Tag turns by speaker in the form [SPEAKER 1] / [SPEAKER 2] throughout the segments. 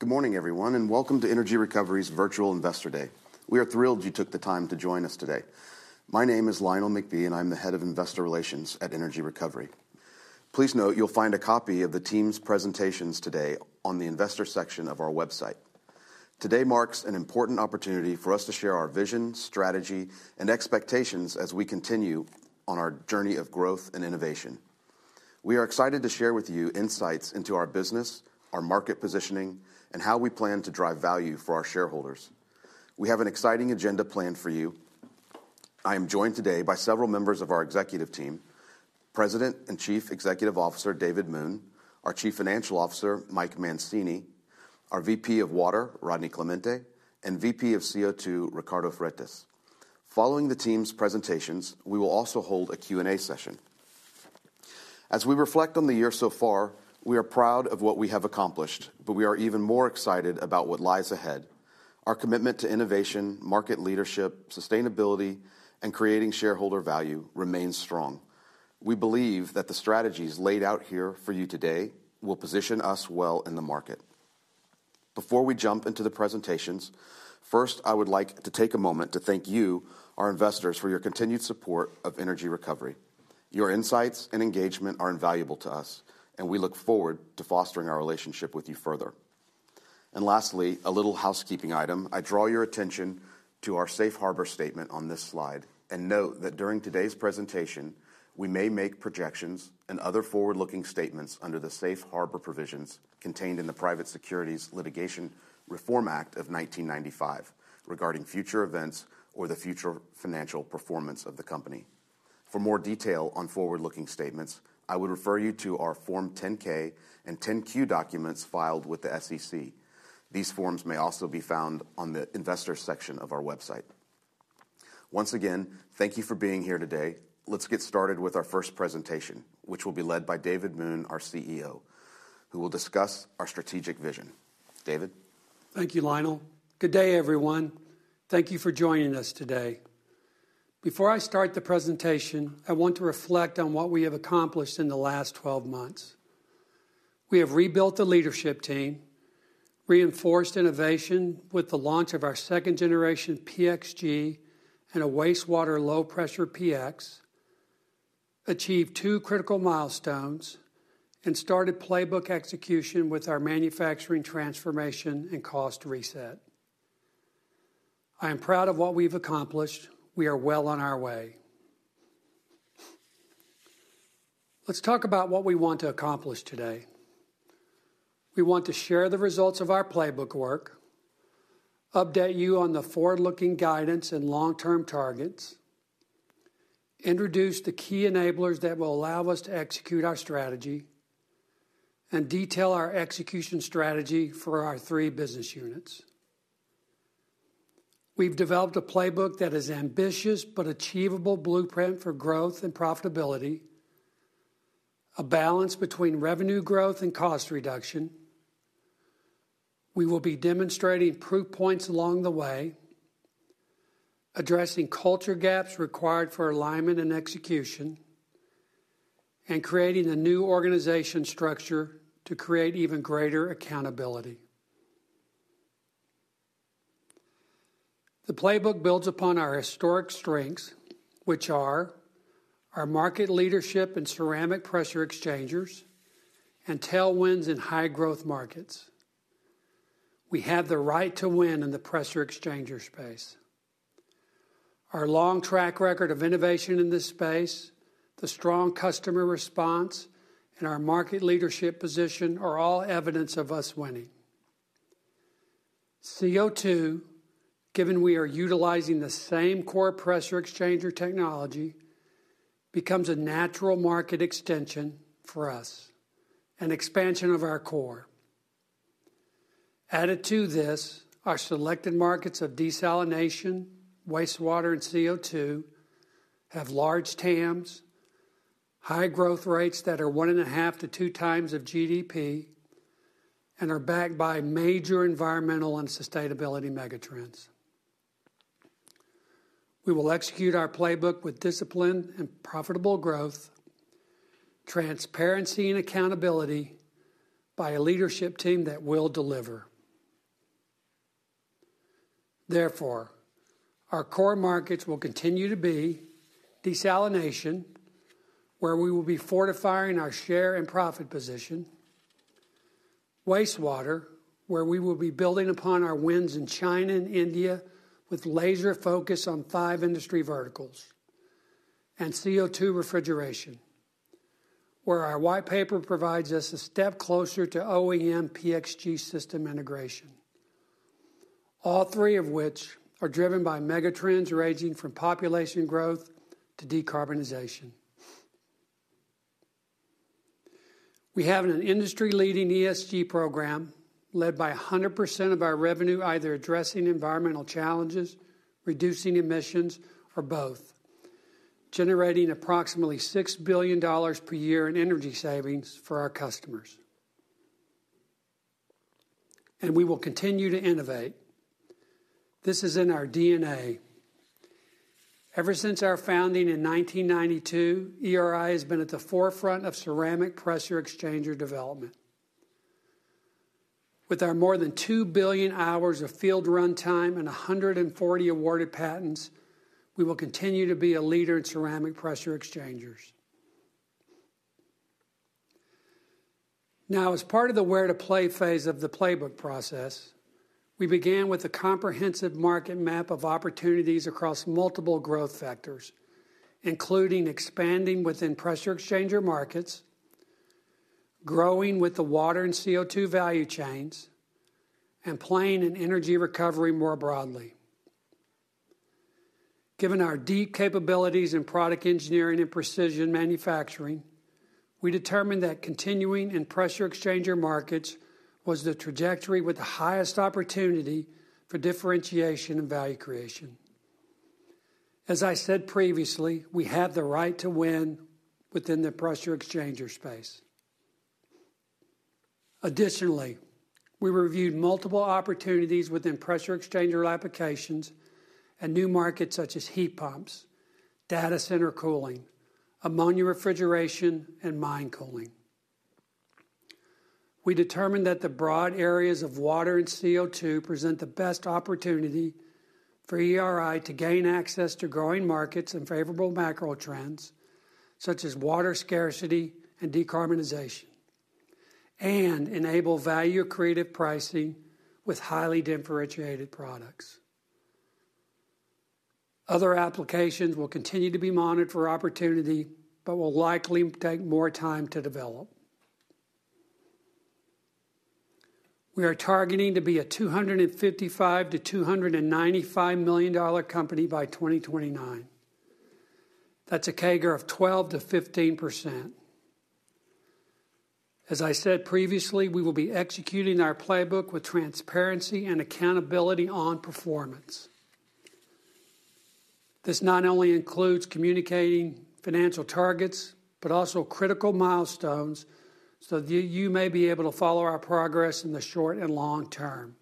[SPEAKER 1] Good morning, everyone, and welcome to Energy Recovery's Virtual Investor Day. We are thrilled you took the time to join us today. My name is Lionel McBee, and I'm the Head of Investor Relations at Energy Recovery. Please note you'll find a copy of the team's presentations today on the Investor section of our website. Today marks an important opportunity for us to share our vision, strategy, and expectations as we continue on our journey of growth and innovation. We are excited to share with you insights into our business, our market positioning, and how we plan to drive value for our shareholders. We have an exciting agenda planned for you. I am joined today by several members of our executive team: President and Chief Executive Officer David Moon, our Chief Financial Officer Mike Mancini, our VP of Water, Rodney Clemente, and VP of CO2, Ricardo Freitas. Following the team's presentations, we will also hold a Q&A session. As we reflect on the year so far, we are proud of what we have accomplished, but we are even more excited about what lies ahead. Our commitment to innovation, market leadership, sustainability, and creating shareholder value remains strong. We believe that the strategies laid out here for you today will position us well in the market. Before we jump into the presentations, first, I would like to take a moment to thank you, our investors, for your continued support of Energy Recovery. Your insights and engagement are invaluable to us, and we look forward to fostering our relationship with you further. And lastly, a little housekeeping item: I draw your attention to our Safe Harbor Statement on this slide and note that during today's presentation, we may make projections and other forward-looking statements under the Safe Harbor Provisions contained in the Private Securities Litigation Reform Act of 1995 regarding future events or the future financial performance of the company. For more detail on forward-looking statements, I would refer you to our Form 10-K and 10-Q documents filed with the SEC. These forms may also be found on the Investor section of our website. Once again, thank you for being here today. Let's get started with our first presentation, which will be led by David Moon, our CEO, who will discuss our strategic vision. David.
[SPEAKER 2] Thank you, Lionel. Good day, everyone. Thank you for joining us today. Before I start the presentation, I want to reflect on what we have accomplished in the last 12 months. We have rebuilt the leadership team, reinforced innovation with the launch of our second-generation PX G and a wastewater low-pressure PX, achieved two critical milestones, and started playbook execution with our manufacturing transformation and cost reset. I am proud of what we've accomplished. We are well on our way. Let's talk about what we want to accomplish today. We want to share the results of our playbook work, update you on the forward-looking guidance and long-term targets, introduce the key enablers that will allow us to execute our strategy, and detail our execution strategy for our three business units. We've developed a playbook that is an ambitious but achievable blueprint for growth and profitability, a balance between revenue growth and cost reduction. We will be demonstrating proof points along the way, addressing culture gaps required for alignment and execution, and creating a new organization structure to create even greater accountability. The playbook builds upon our historic strengths, which are our market leadership in ceramic pressure exchangers and tailwinds in high-growth markets. We have the right to win in the pressure exchanger space. Our long track record of innovation in this space, the strong customer response, and our market leadership position are all evidence of us winning. CO2, given we are utilizing the same core Pressure Exchanger technology, becomes a natural market extension for us, an expansion of our core. Added to this, our selected markets of desalination, wastewater, and CO2 have large TAMs, high growth rates that are one and a half to two times of GDP, and are backed by major environmental and sustainability megatrends. We will execute our playbook with discipline and profitable growth, transparency, and accountability by a leadership team that will deliver. Therefore, our core markets will continue to be desalination, where we will be fortifying our share and profit position, wastewater, where we will be building upon our wins in China and India with laser focus on five industry verticals, and CO2 refrigeration, where our white paper provides us a step closer to OEM PX G system integration, all three of which are driven by megatrends ranging from population growth to decarbonization. We have an industry-leading ESG program led by 100% of our revenue, either addressing environmental challenges, reducing emissions, or both, generating approximately $6 billion per year in energy savings for our customers. And we will continue to innovate. This is in our DNA. Ever since our founding in 1992, ERI has been at the forefront of ceramic pressure exchanger development. With our more than two billion hours of field runtime and 140 awarded patents, we will continue to be a leader in ceramic pressure exchangers. Now, as part of the where-to-play phase of the playbook process, we began with a comprehensive market map of opportunities across multiple growth factors, including expanding within pressure exchanger markets, growing with the water and CO2 value chains, and playing in energy recovery more broadly. Given our deep capabilities in product engineering and precision manufacturing, we determined that continuing in pressure exchanger markets was the trajectory with the highest opportunity for differentiation and value creation. As I said previously, we have the right to win within the pressure exchanger space. Additionally, we reviewed multiple opportunities within pressure exchanger applications and new markets such as heat pumps, data center cooling, ammonia refrigeration, and mine cooling. We determined that the broad areas of water and CO2 present the best opportunity for ERI to gain access to growing markets and favorable macro trends such as water scarcity and decarbonization, and enable value-accretive pricing with highly differentiated products. Other applications will continue to be monitored for opportunity, but will likely take more time to develop. We are targeting to be a $255-$295 million company by 2029. That's a CAGR of 12%-15%. As I said previously, we will be executing our playbook with transparency and accountability on performance. This not only includes communicating financial targets, but also critical milestones so that you may be able to follow our progress in the short and long term.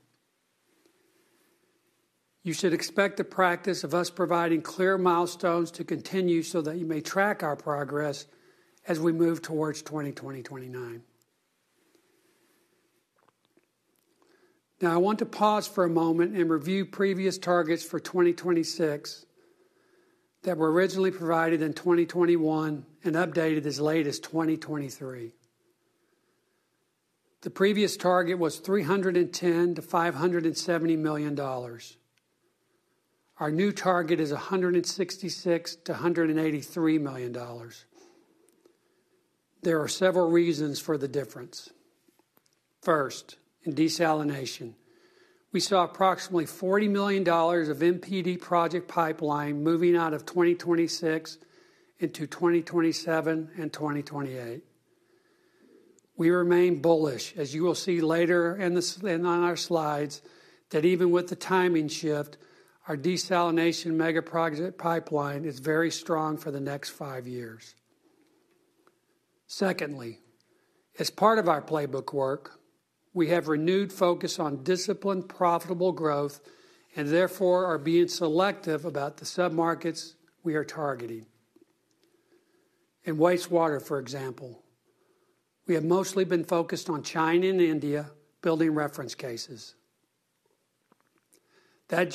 [SPEAKER 2] You should expect the practice of us providing clear milestones to continue so that you may track our progress as we move towards 2020-2029. Now, I want to pause for a moment and review previous targets for 2026 that were originally provided in 2021 and updated as late as 2023. The previous target was $310-$570 million. Our new target is $166-$183 million. There are several reasons for the difference. First, in desalination, we saw approximately $40 million of NPD project pipeline moving out of 2026 into 2027 and 2028. We remain bullish, as you will see later on our slides, that even with the timing shift, our desalination mega project pipeline is very strong for the next five years. Secondly, as part of our playbook work, we have renewed focus on disciplined profitable growth and therefore are being selective about the sub-markets we are targeting. In wastewater, for example, we have mostly been focused on China and India, building reference cases. That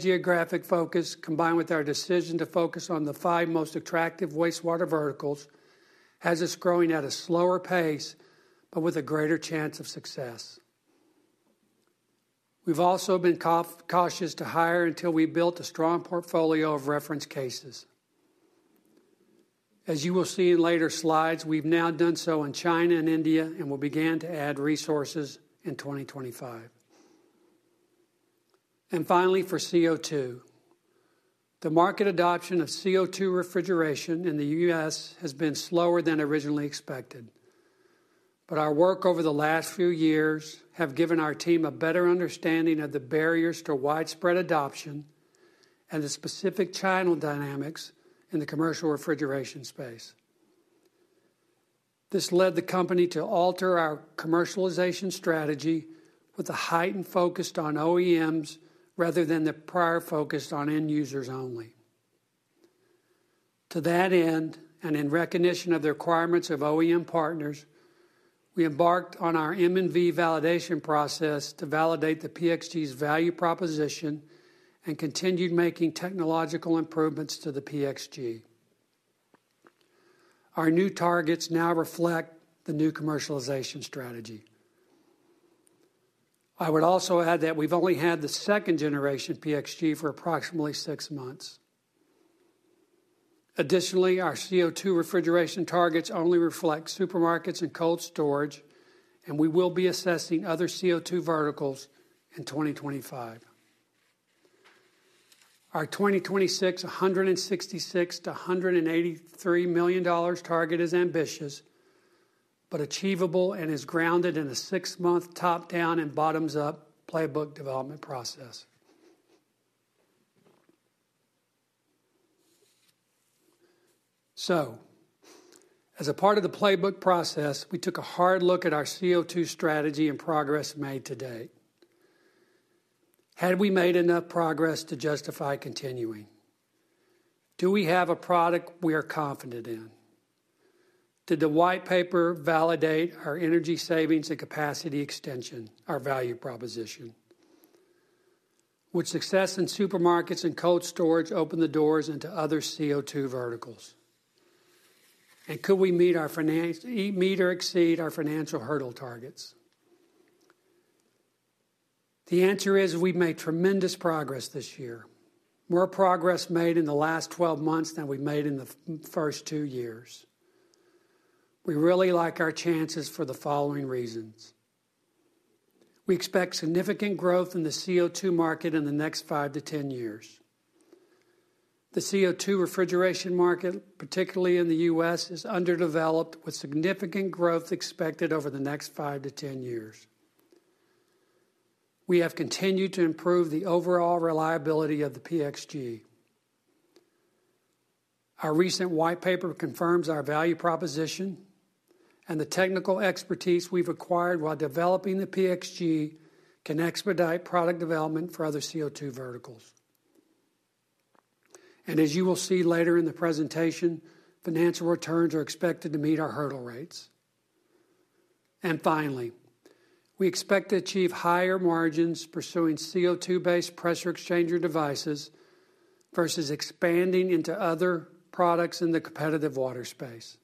[SPEAKER 2] geographic focus, combined with our decision to focus on the five most attractive wastewater verticals, has us growing at a slower pace, but with a greater chance of success. We've also been cautious to hire until we built a strong portfolio of reference cases. As you will see in later slides, we've now done so in China and India and will begin to add resources in 2025. Finally, for CO2, the market adoption of CO2 refrigeration in the U.S. has been slower than originally expected, but our work over the last few years has given our team a better understanding of the barriers to widespread adoption and the specific channel dynamics in the commercial refrigeration space. This led the company to alter our commercialization strategy with a heightened focus on OEMs rather than the prior focus on end users only. To that end, and in recognition of the requirements of OEM partners, we embarked on our M&V validation process to validate the PX G's value proposition and continued making technological improvements to the PX G. Our new targets now reflect the new commercialization strategy. I would also add that we've only had the second-generation PX G for approximately six months. Additionally, our CO2 refrigeration targets only reflect supermarkets and cold storage, and we will be assessing other CO2 verticals in 2025. Our 2026 $166-$183 million target is ambitious, but achievable and is grounded in a six-month top-down and bottoms-up playbook development process. As a part of the playbook process, we took a hard look at our CO2 strategy and progress made to date. Had we made enough progress to justify continuing? Do we have a product we are confident in? Did the white paper validate our energy savings and capacity extension, our value proposition? Would success in supermarkets and cold storage open the doors into other CO2 verticals? And could we meet or exceed our financial hurdle targets? The answer is we've made tremendous progress this year, more progress made in the last 12 months than we made in the first two years. We really like our chances for the following reasons. We expect significant growth in the CO2 market in the next five to 10 years. The CO2 refrigeration market, particularly in the U.S., is underdeveloped, with significant growth expected over the next five to 10 years. We have continued to improve the overall reliability of the PX G. Our recent white paper confirms our value proposition, and the technical expertise we've acquired while developing the PX G can expedite product development for other CO2 verticals. And as you will see later in the presentation, financial returns are expected to meet our hurdle rates. And finally, we expect to achieve higher margins pursuing CO2-based pressure exchanger devices versus expanding into other products in the competitive water space.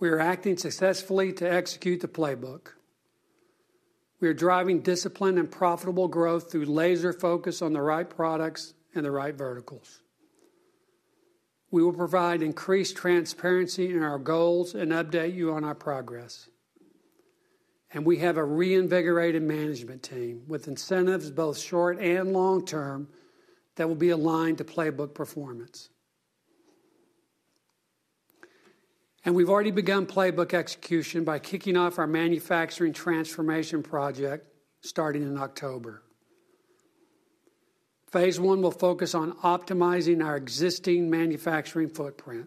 [SPEAKER 2] We are acting successfully to execute the playbook. We are driving discipline and profitable growth through laser focus on the right products and the right verticals. We will provide increased transparency in our goals and update you on our progress. We have a reinvigorated management team with incentives both short and long term that will be aligned to playbook performance. We've already begun playbook execution by kicking off our manufacturing transformation project starting in October. Phase I will focus on optimizing our existing manufacturing footprint.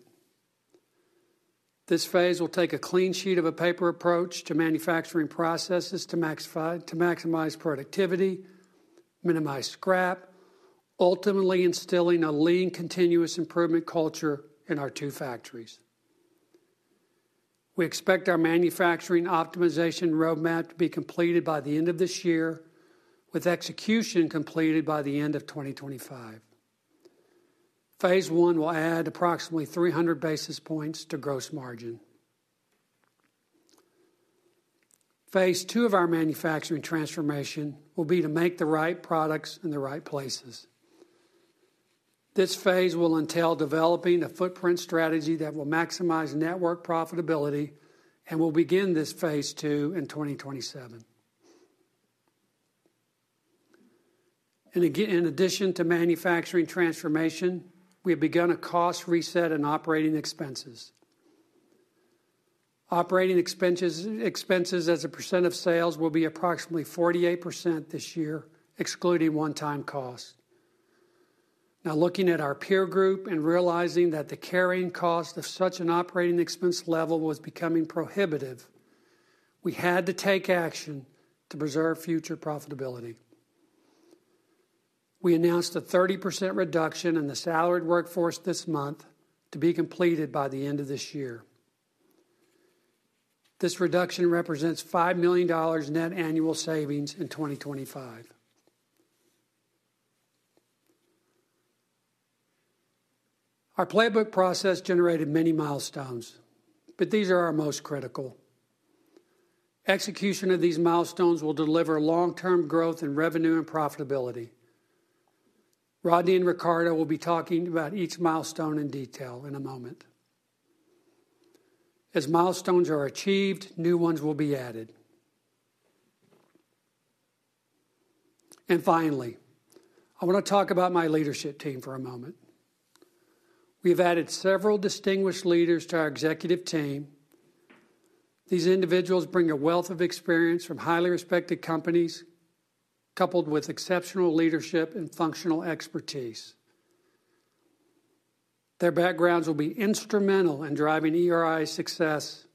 [SPEAKER 2] This phase will take a clean sheet of paper approach to manufacturing processes to maximize productivity, minimize scrap, ultimately instilling a lean, continuous improvement culture in our two factories. We expect our manufacturing optimization roadmap to be completed by the end of this year, with execution completed by the end of 2025. Phase I will add approximately 300 basis points to gross margin. Phase II of our manufacturing transformation will be to make the right products in the right places. This phase will entail developing a footprint strategy that will maximize network profitability and will begin this phase II in 2027. In addition to manufacturing transformation, we have begun a cost reset in operating expenses. Operating expenses as a percent of sales will be approximately 48% this year, excluding one-time costs. Now, looking at our peer group and realizing that the carrying cost of such an operating expense level was becoming prohibitive, we had to take action to preserve future profitability. We announced a 30% reduction in the salaried workforce this month to be completed by the end of this year. This reduction represents $5 million net annual savings in 2025. Our playbook process generated many milestones, but these are our most critical. Execution of these milestones will deliver long-term growth in revenue and profitability. Rodney and Ricardo will be talking about each milestone in detail in a moment. As milestones are achieved, new ones will be added. And finally, I want to talk about my leadership team for a moment. We have added several distinguished leaders to our executive team. These individuals bring a wealth of experience from highly respected companies, coupled with exceptional leadership and functional expertise. Their backgrounds will be instrumental in driving ERI's success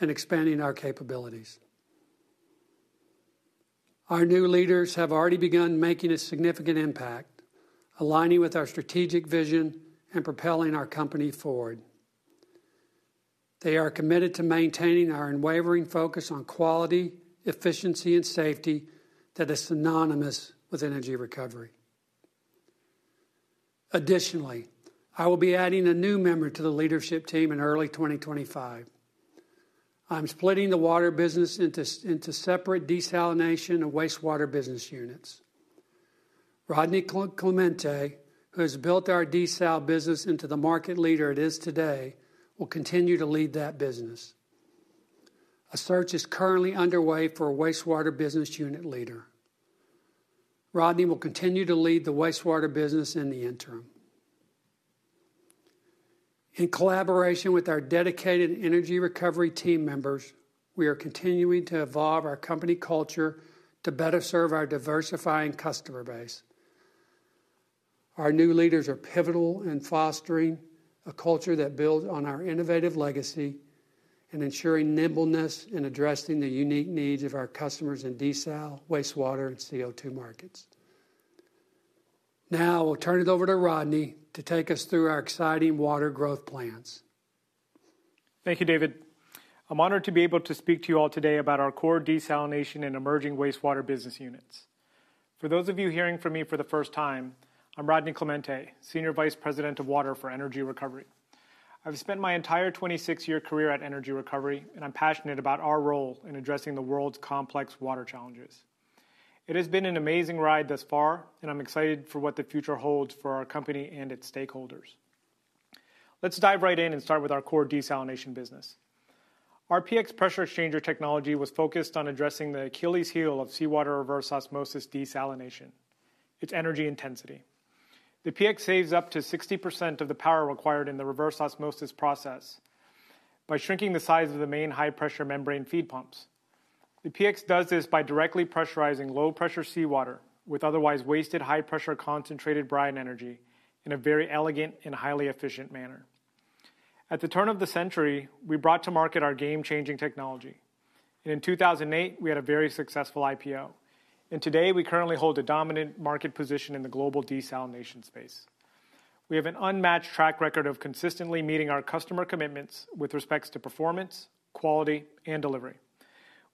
[SPEAKER 2] and expanding our capabilities. Our new leaders have already begun making a significant impact, aligning with our strategic vision and propelling our company forward. They are committed to maintaining our unwavering focus on quality, efficiency, and safety that is synonymous with Energy Recovery. Additionally, I will be adding a new member to the leadership team in early 2025. I'm splitting the water business into separate desalination and wastewater business units. Rodney Clemente, who has built our desal business into the market leader it is today, will continue to lead that business. A search is currently underway for a wastewater business unit leader. Rodney will continue to lead the wastewater business in the interim. In collaboration with our dedicated energy recovery team members, we are continuing to evolve our company culture to better serve our diversifying customer base. Our new leaders are pivotal in fostering a culture that builds on our innovative legacy and ensuring nimbleness in addressing the unique needs of our customers in desal, wastewater, and CO2 markets. Now, I will turn it over to Rodney to take us through our exciting water growth plans.
[SPEAKER 3] Thank you, David. I'm honored to be able to speak to you all today about our core desalination and emerging wastewater business units. For those of you hearing from me for the first time, I'm Rodney Clemente, Senior Vice President of Water for Energy Recovery. I've spent my entire 26-year career at Energy Recovery, and I'm passionate about our role in addressing the world's complex water challenges. It has been an amazing ride thus far, and I'm excited for what the future holds for our company and its stakeholders. Let's dive right in and start with our core desalination business. Our PX pressure exchanger technology was focused on addressing the Achilles heel of seawater reverse osmosis desalination, its energy intensity. The PX saves up to 60% of the power required in the reverse osmosis process by shrinking the size of the main high-pressure membrane feed pumps. The PX does this by directly pressurizing low-pressure seawater with otherwise wasted high-pressure concentrated brine energy in a very elegant and highly efficient manner. At the turn of the century, we brought to market our game-changing technology. In 2008, we had a very successful IPO. Today, we currently hold a dominant market position in the global desalination space. We have an unmatched track record of consistently meeting our customer commitments with respect to performance, quality, and delivery.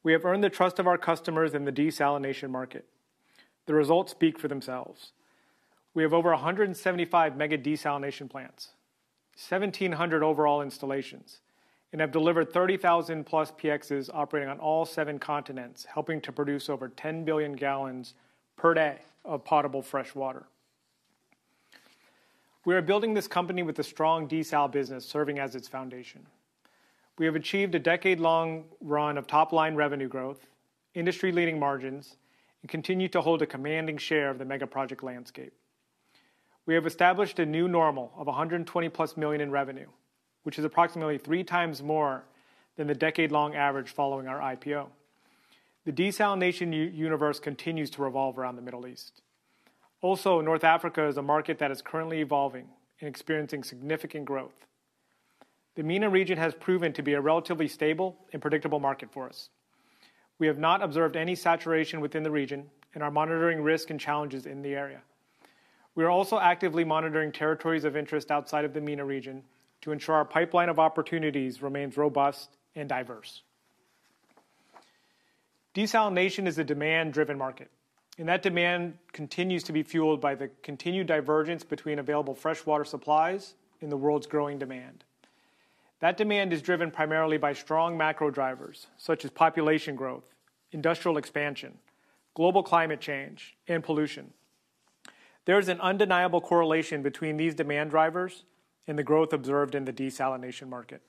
[SPEAKER 3] We have earned the trust of our customers in the desalination market. The results speak for themselves. We have over 175 mega desalination plants, 1,700 overall installations, and have delivered 30,000+ PXs operating on all seven continents, helping to produce over 10 billion gallons per day of potable freshwater. We are building this company with a strong desal business serving as its foundation. We have achieved a decade-long run of top-line revenue growth, industry-leading margins, and continue to hold a commanding share of the mega project landscape. We have established a new normal of $120+ million in revenue, which is approximately three times more than the decade-long average following our IPO. The desalination universe continues to revolve around the Middle East. Also, North Africa is a market that is currently evolving and experiencing significant growth. The MENA region has proven to be a relatively stable and predictable market for us. We have not observed any saturation within the region and are monitoring risk and challenges in the area. We are also actively monitoring territories of interest outside of the MENA region to ensure our pipeline of opportunities remains robust and diverse. Desalination is a demand-driven market, and that demand continues to be fueled by the continued divergence between available freshwater supplies and the world's growing demand. That demand is driven primarily by strong macro drivers, such as population growth, industrial expansion, global climate change, and pollution. There is an undeniable correlation between these demand drivers and the growth observed in the desalination market.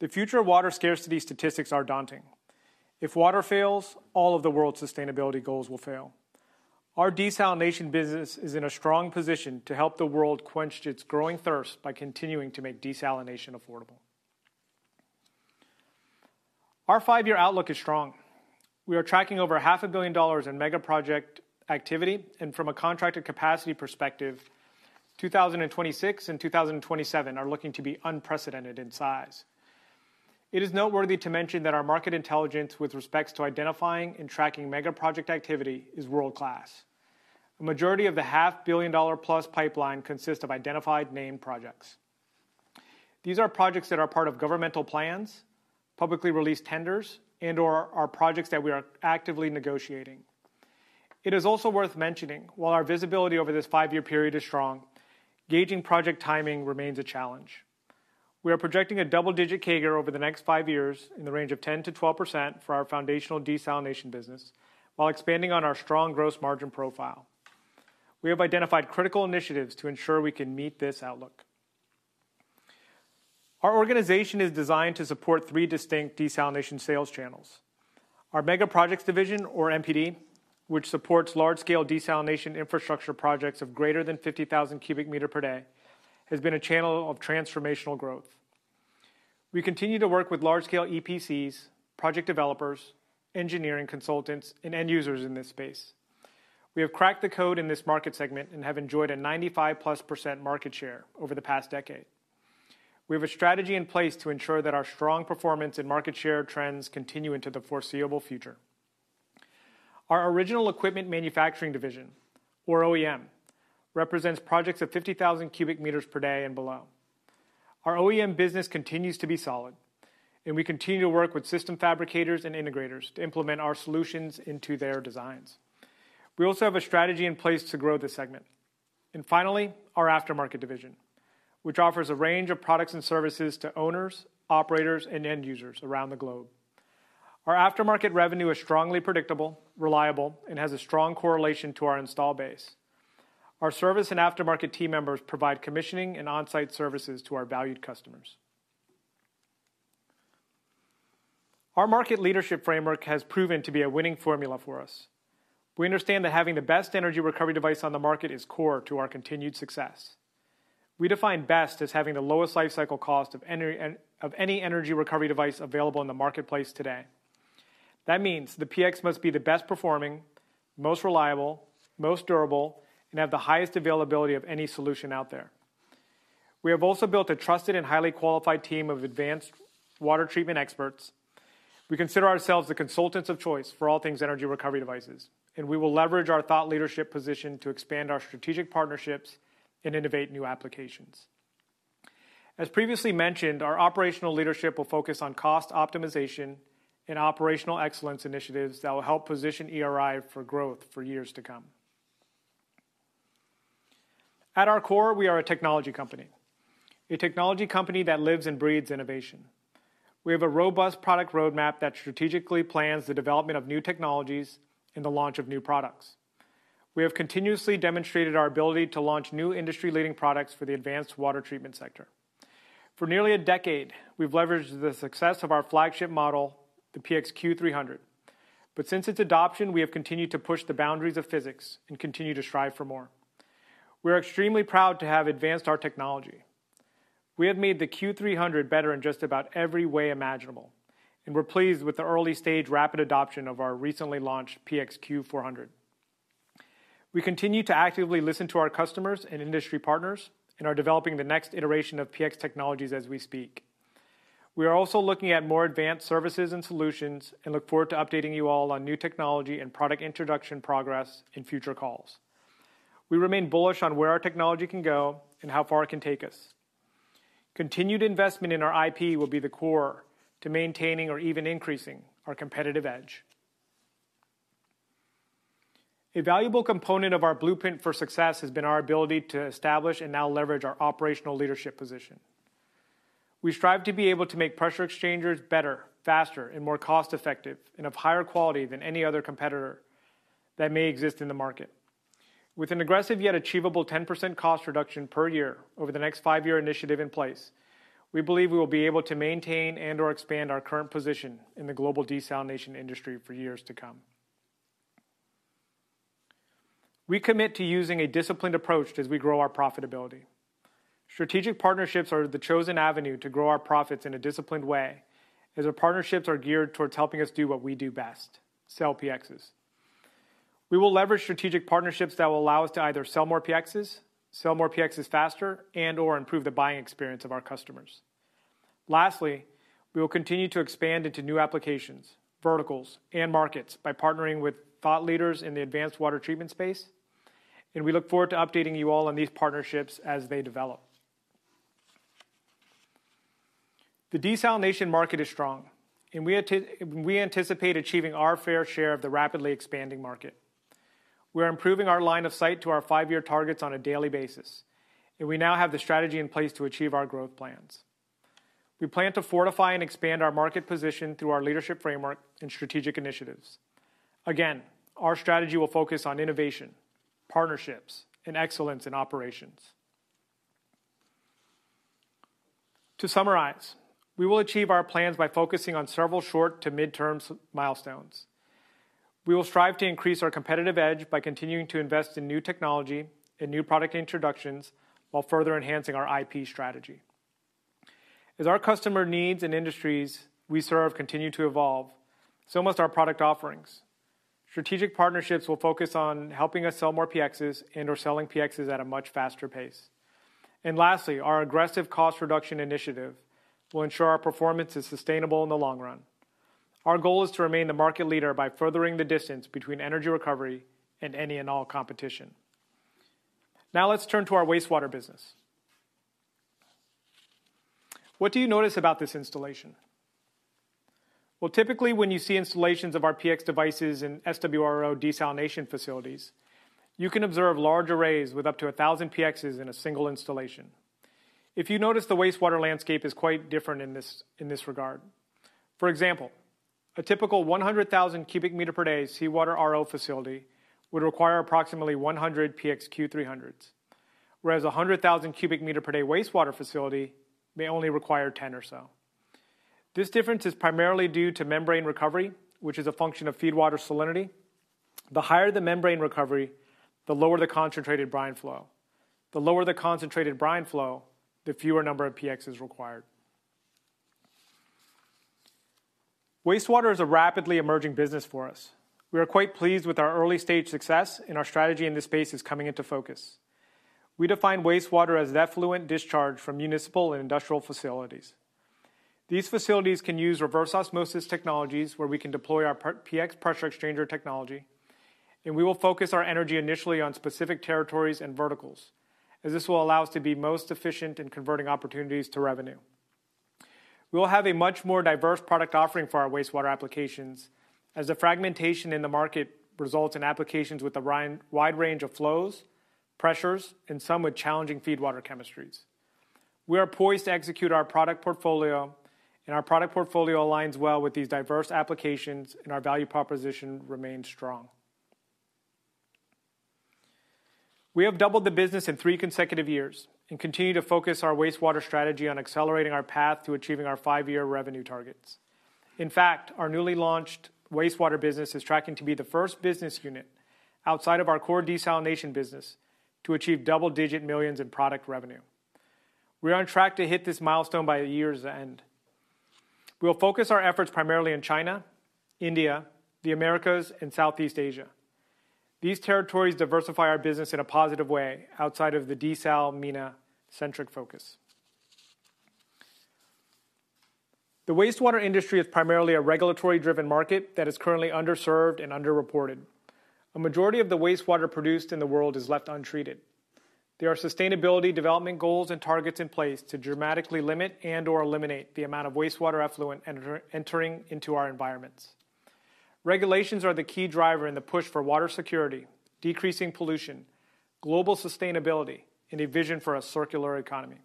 [SPEAKER 3] The future of water scarcity statistics are daunting. If water fails, all of the world's sustainability goals will fail. Our desalination business is in a strong position to help the world quench its growing thirst by continuing to make desalination affordable. Our five-year outlook is strong. We are tracking over $500 million in mega project activity, and from a contracted capacity perspective, 2026 and 2027 are looking to be unprecedented in size. It is noteworthy to mention that our market intelligence with respect to identifying and tracking mega project activity is world-class. A majority of the $500 million+ pipeline consists of identified named projects. These are projects that are part of governmental plans, publicly released tenders, and/or are projects that we are actively negotiating. It is also worth mentioning, while our visibility over this five-year period is strong, gauging project timing remains a challenge. We are projecting a double-digit CAGR over the next five years in the range of 10%-12% for our foundational desalination business, while expanding on our strong gross margin profile. We have identified critical initiatives to ensure we can meet this outlook. Our organization is designed to support three distinct desalination sales channels. Our Mega Projects Division, or MPD, which supports large-scale desalination infrastructure projects of greater than 50,000 cubic meters per day, has been a channel of transformational growth. We continue to work with large-scale EPCs, project developers, engineering consultants, and end users in this space. We have cracked the code in this market segment and have enjoyed a 95+% market share over the past decade. We have a strategy in place to ensure that our strong performance and market share trends continue into the foreseeable future. Our original equipment manufacturing division, or OEM, represents projects of 50,000 cubic meters per day and below. Our OEM business continues to be solid, and we continue to work with system fabricators and integrators to implement our solutions into their designs. We also have a strategy in place to grow this segment. And finally, our aftermarket division, which offers a range of products and services to owners, operators, and end users around the globe. Our aftermarket revenue is strongly predictable, reliable, and has a strong correlation to our install base. Our service and aftermarket team members provide commissioning and on-site services to our valued customers. Our market leadership framework has proven to be a winning formula for us. We understand that having the best energy recovery device on the market is core to our continued success. We define best as having the lowest life cycle cost of any energy recovery device available in the marketplace today. That means the PX must be the best performing, most reliable, most durable, and have the highest availability of any solution out there. We have also built a trusted and highly qualified team of advanced water treatment experts. We consider ourselves the consultants of choice for all things energy recovery devices, and we will leverage our thought leadership position to expand our strategic partnerships and innovate new applications. As previously mentioned, our operational leadership will focus on cost optimization and operational excellence initiatives that will help position ERI for growth for years to come. At our core, we are a technology company, a technology company that lives and breathes innovation. We have a robust product roadmap that strategically plans the development of new technologies and the launch of new products. We have continuously demonstrated our ability to launch new industry-leading products for the advanced water treatment sector. For nearly a decade, we've leveraged the success of our flagship model, the PX Q300, but since its adoption, we have continued to push the boundaries of physics and continue to strive for more. We are extremely proud to have advanced our technology. We have made the Q300 better in just about every way imaginable, and we're pleased with the early-stage rapid adoption of our recently launched PX Q400. We continue to actively listen to our customers and industry partners and are developing the next iteration of PX technologies as we speak. We are also looking at more advanced services and solutions and look forward to updating you all on new technology and product introduction progress in future calls. We remain bullish on where our technology can go and how far it can take us. Continued investment in our IP will be the core to maintaining or even increasing our competitive edge. A valuable component of our blueprint for success has been our ability to establish and now leverage our operational leadership position. We strive to be able to make pressure exchangers better, faster, and more cost-effective and of higher quality than any other competitor that may exist in the market. With an aggressive yet achievable 10% cost reduction per year over the next five-year initiative in place, we believe we will be able to maintain and/or expand our current position in the global desalination industry for years to come. We commit to using a disciplined approach as we grow our profitability. Strategic partnerships are the chosen avenue to grow our profits in a disciplined way as our partnerships are geared towards helping us do what we do best: sell PXs. We will leverage strategic partnerships that will allow us to either sell more PXs, sell more PXs faster, and/or improve the buying experience of our customers. Lastly, we will continue to expand into new applications, verticals, and markets by partnering with thought leaders in the advanced water treatment space, and we look forward to updating you all on these partnerships as they develop. The desalination market is strong, and we anticipate achieving our fair share of the rapidly expanding market. We are improving our line of sight to our five-year targets on a daily basis, and we now have the strategy in place to achieve our growth plans. We plan to fortify and expand our market position through our leadership framework and strategic initiatives. Again, our strategy will focus on innovation, partnerships, and excellence in operations. To summarize, we will achieve our plans by focusing on several short to mid-term milestones. We will strive to increase our competitive edge by continuing to invest in new technology and new product introductions while further enhancing our IP strategy. As our customer needs and industries we serve continue to evolve, so must our product offerings. Strategic partnerships will focus on helping us sell more PXs and/or selling PXs at a much faster pace. And lastly, our aggressive cost reduction initiative will ensure our performance is sustainable in the long run. Our goal is to remain the market leader by furthering the distance between Energy Recovery and any and all competition. Now, let's turn to our wastewater business. What do you notice about this installation? Typically, when you see installations of our PX devices in SWRO desalination facilities, you can observe large arrays with up to 1,000 PXs in a single installation. If you notice, the wastewater landscape is quite different in this regard. For example, a typical 100,000 cubic meter per day seawater RO facility would require approximately 100 PX Q300s, whereas a 100,000 cubic meter per day wastewater facility may only require 10 or so. This difference is primarily due to membrane recovery, which is a function of feedwater salinity. The higher the membrane recovery, the lower the concentrated brine flow. The lower the concentrated brine flow, the fewer number of PXs required. Wastewater is a rapidly emerging business for us. We are quite pleased with our early-stage success, and our strategy in this space is coming into focus. We define wastewater as effluent discharge from municipal and industrial facilities. These facilities can use reverse osmosis technologies where we can deploy our PX pressure exchanger technology, and we will focus our energy initially on specific territories and verticals, as this will allow us to be most efficient in converting opportunities to revenue. We will have a much more diverse product offering for our wastewater applications as the fragmentation in the market results in applications with a wide range of flows, pressures, and some with challenging feedwater chemistries. We are poised to execute our product portfolio, and our product portfolio aligns well with these diverse applications, and our value proposition remains strong. We have doubled the business in three consecutive years and continue to focus our wastewater strategy on accelerating our path to achieving our five-year revenue targets. In fact, our newly launched wastewater business is tracking to be the first business unit outside of our core desalination business to achieve double-digit millions in product revenue. We are on track to hit this milestone by the year's end. We will focus our efforts primarily in China, India, the Americas, and Southeast Asia. These territories diversify our business in a positive way outside of the desal-MENA-centric focus. The wastewater industry is primarily a regulatory-driven market that is currently underserved and underreported. A majority of the wastewater produced in the world is left untreated. There are sustainability development goals and targets in place to dramatically limit and/or eliminate the amount of wastewater effluent entering into our environments. Regulations are the key driver in the push for water security, decreasing pollution, global sustainability, and a vision for a circular economy.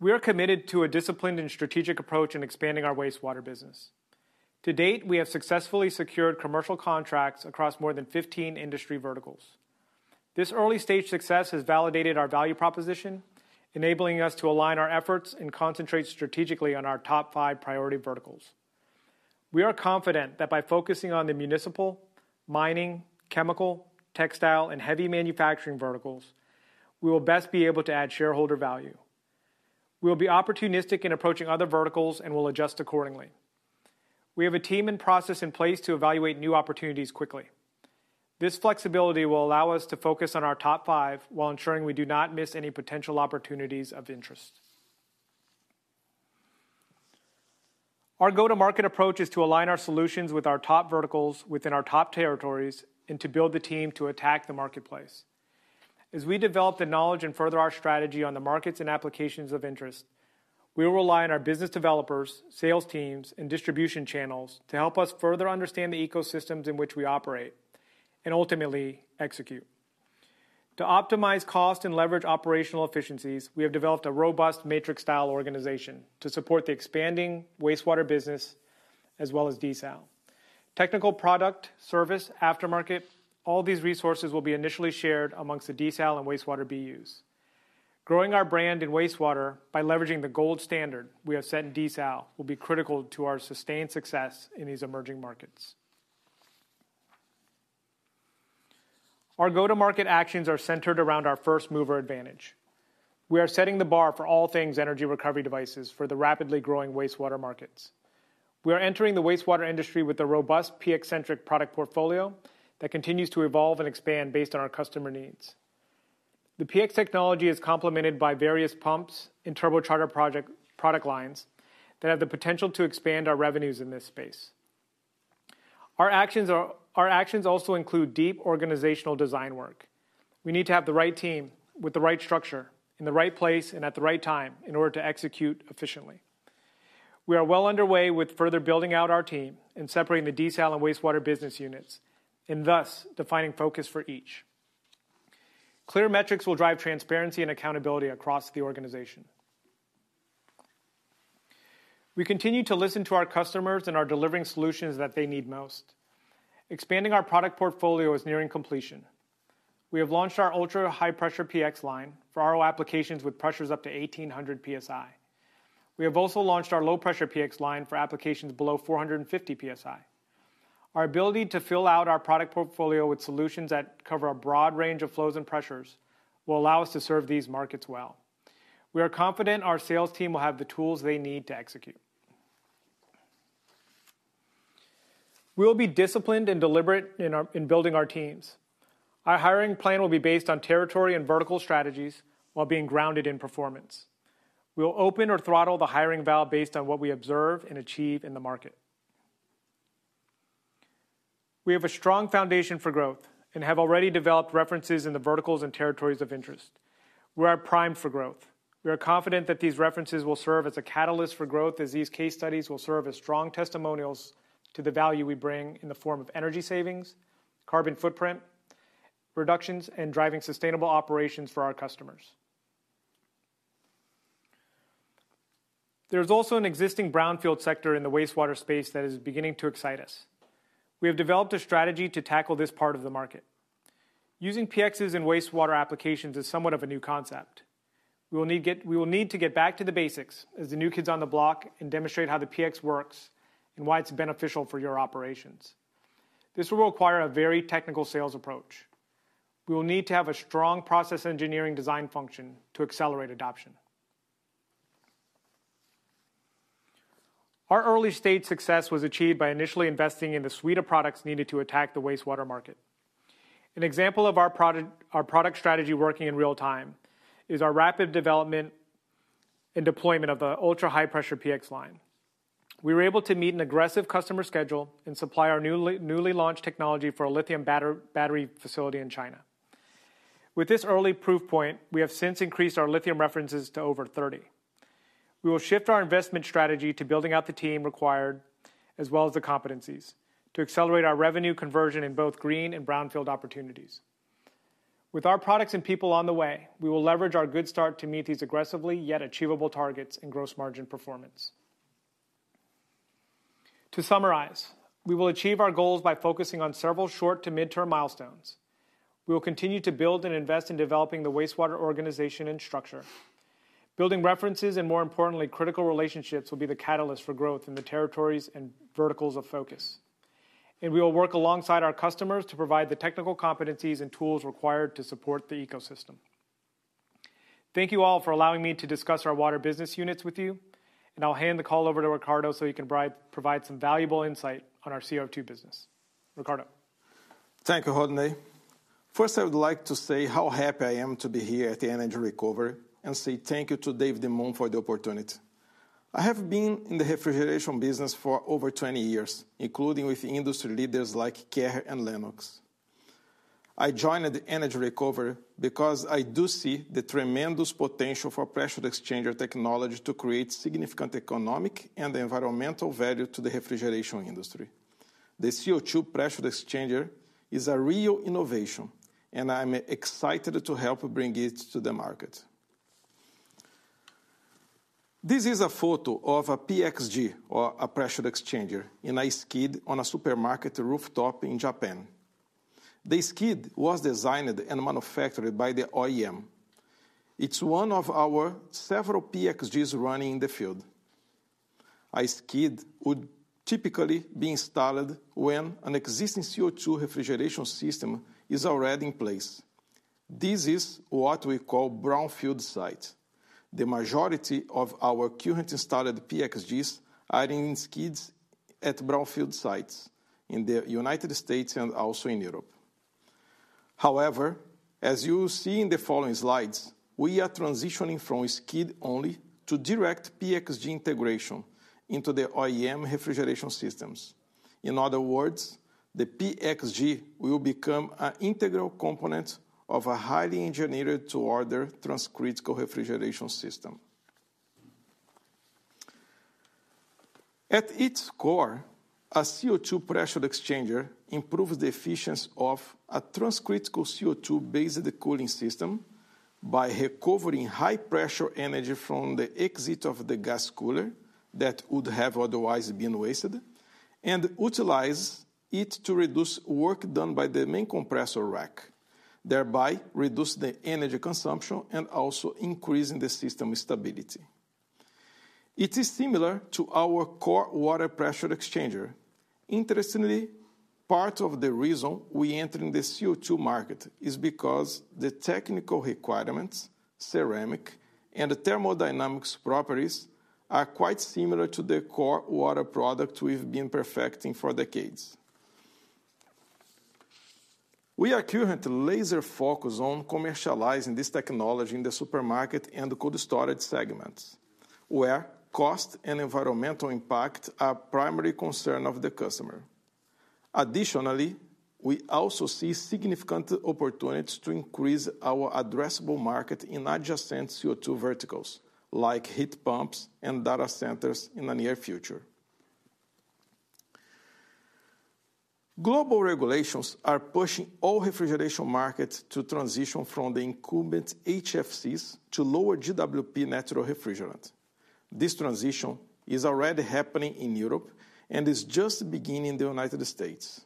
[SPEAKER 3] We are committed to a disciplined and strategic approach in expanding our wastewater business. To date, we have successfully secured commercial contracts across more than 15 industry verticals. This early-stage success has validated our value proposition, enabling us to align our efforts and concentrate strategically on our top five priority verticals. We are confident that by focusing on the municipal, mining, chemical, textile, and heavy manufacturing verticals, we will best be able to add shareholder value. We will be opportunistic in approaching other verticals and will adjust accordingly. We have a team and process in place to evaluate new opportunities quickly. This flexibility will allow us to focus on our top five while ensuring we do not miss any potential opportunities of interest. Our go-to-market approach is to align our solutions with our top verticals within our top territories and to build the team to attack the marketplace. As we develop the knowledge and further our strategy on the markets and applications of interest, we will rely on our business developers, sales teams, and distribution channels to help us further understand the ecosystems in which we operate and ultimately execute. To optimize cost and leverage operational efficiencies, we have developed a robust matrix-style organization to support the expanding wastewater business as well as desal. Technical product, service, aftermarket, all these resources will be initially shared amongst the desal and wastewater BUs. Growing our brand in wastewater by leveraging the gold standard we have set in desal will be critical to our sustained success in these emerging markets. Our go-to-market actions are centered around our first-mover advantage. We are setting the bar for all things energy recovery devices for the rapidly growing wastewater markets. We are entering the wastewater industry with a robust PX-centric product portfolio that continues to evolve and expand based on our customer needs. The PX technology is complemented by various pumps and turbocharger product lines that have the potential to expand our revenues in this space. Our actions also include deep organizational design work. We need to have the right team with the right structure in the right place and at the right time in order to execute efficiently. We are well underway with further building out our team and separating the desal and wastewater business units and thus defining focus for each. Clear metrics will drive transparency and accountability across the organization. We continue to listen to our customers and we're delivering solutions that they need most. Expanding our product portfolio is nearing completion. We have launched our Ultra-High Pressure PX line for RO applications with pressures up to 1,800 PSI. We have also launched our Low Pressure PX line for applications below 450 PSI. Our ability to fill out our product portfolio with solutions that cover a broad range of flows and pressures will allow us to serve these markets well. We are confident our sales team will have the tools they need to execute. We will be disciplined and deliberate in building our teams. Our hiring plan will be based on territory and vertical strategies while being grounded in performance. We will open or throttle the hiring valve based on what we observe and achieve in the market. We have a strong foundation for growth and have already developed references in the verticals and territories of interest. We are primed for growth. We are confident that these references will serve as a catalyst for growth as these case studies will serve as strong testimonials to the value we bring in the form of energy savings, carbon footprint reductions, and driving sustainable operations for our customers. There is also an existing brownfield sector in the wastewater space that is beginning to excite us. We have developed a strategy to tackle this part of the market. Using PXs in wastewater applications is somewhat of a new concept. We will need to get back to the basics as the new kids on the block and demonstrate how the PX works and why it's beneficial for your operations. This will require a very technical sales approach. We will need to have a strong process engineering design function to accelerate adoption. Our early-stage success was achieved by initially investing in the suite of products needed to attack the wastewater market. An example of our product strategy working in real time is our rapid development and deployment of the Ultra-High Pressure PX line. We were able to meet an aggressive customer schedule and supply our newly launched technology for a lithium battery facility in China. With this early proof point, we have since increased our lithium references to over 30. We will shift our investment strategy to building out the team required as well as the competencies to accelerate our revenue conversion in both green and brownfield opportunities. With our products and people on the way, we will leverage our good start to meet these aggressively yet achievable targets and gross margin performance. To summarize, we will achieve our goals by focusing on several short- to mid-term milestones. We will continue to build and invest in developing the wastewater organization and structure. Building references and, more importantly, critical relationships will be the catalyst for growth in the territories and verticals of focus, and we will work alongside our customers to provide the technical competencies and tools required to support the ecosystem. Thank you all for allowing me to discuss our water business units with you, and I'll hand the call over to Ricardo so he can provide some valuable insight on our CO2 business. Ricardo.
[SPEAKER 4] Thank you, Rodney. First, I would like to say how happy I am to be here at Energy Recovery and say thank you to David Moon for the opportunity. I have been in the refrigeration business for over 20 years, including with industry leaders like Carrier and Lennox. I joined Energy Recovery because I do see the tremendous potential for pressure exchanger technology to create significant economic and environmental value to the refrigeration industry. The CO2 pressure exchanger is a real innovation, and I'm excited to help bring it to the market. This is a photo of a PX G, or a pressure exchanger, in a skid on a supermarket rooftop in Japan. The skid was designed and manufactured by the OEM. It's one of our several PX Gs running in the field. A skid would typically be installed when an existing CO2 refrigeration system is already in place. This is what we call brownfield sites. The majority of our currently installed PX Gs are in skids at brownfield sites in the United States and also in Europe. However, as you see in the following slides, we are transitioning from skid only to direct PX G integration into the OEM refrigeration systems. In other words, the PX G will become an integral component of a highly engineered-to-order transcritical refrigeration system. At its core, a CO2 pressure exchanger improves the efficiency of a transcritical CO2-based cooling system by recovering high-pressure energy from the exit of the gas cooler that would have otherwise been wasted and utilizes it to reduce work done by the main compressor rack, thereby reducing the energy consumption and also increasing the system stability. It is similar to our core water pressure exchanger. Interestingly, part of the reason we entered the CO2 market is because the technical requirements, ceramic, and the thermodynamic properties are quite similar to the core water product we've been perfecting for decades. We are currently laser-focused on commercializing this technology in the supermarket and the cold storage segments, where cost and environmental impact are a primary concern of the customer. Additionally, we also see significant opportunities to increase our addressable market in adjacent CO2 verticals like heat pumps and data centers in the near future. Global regulations are pushing all refrigeration markets to transition from the incumbent HFCs to lower GWP natural refrigerant. This transition is already happening in Europe and is just beginning in the United States.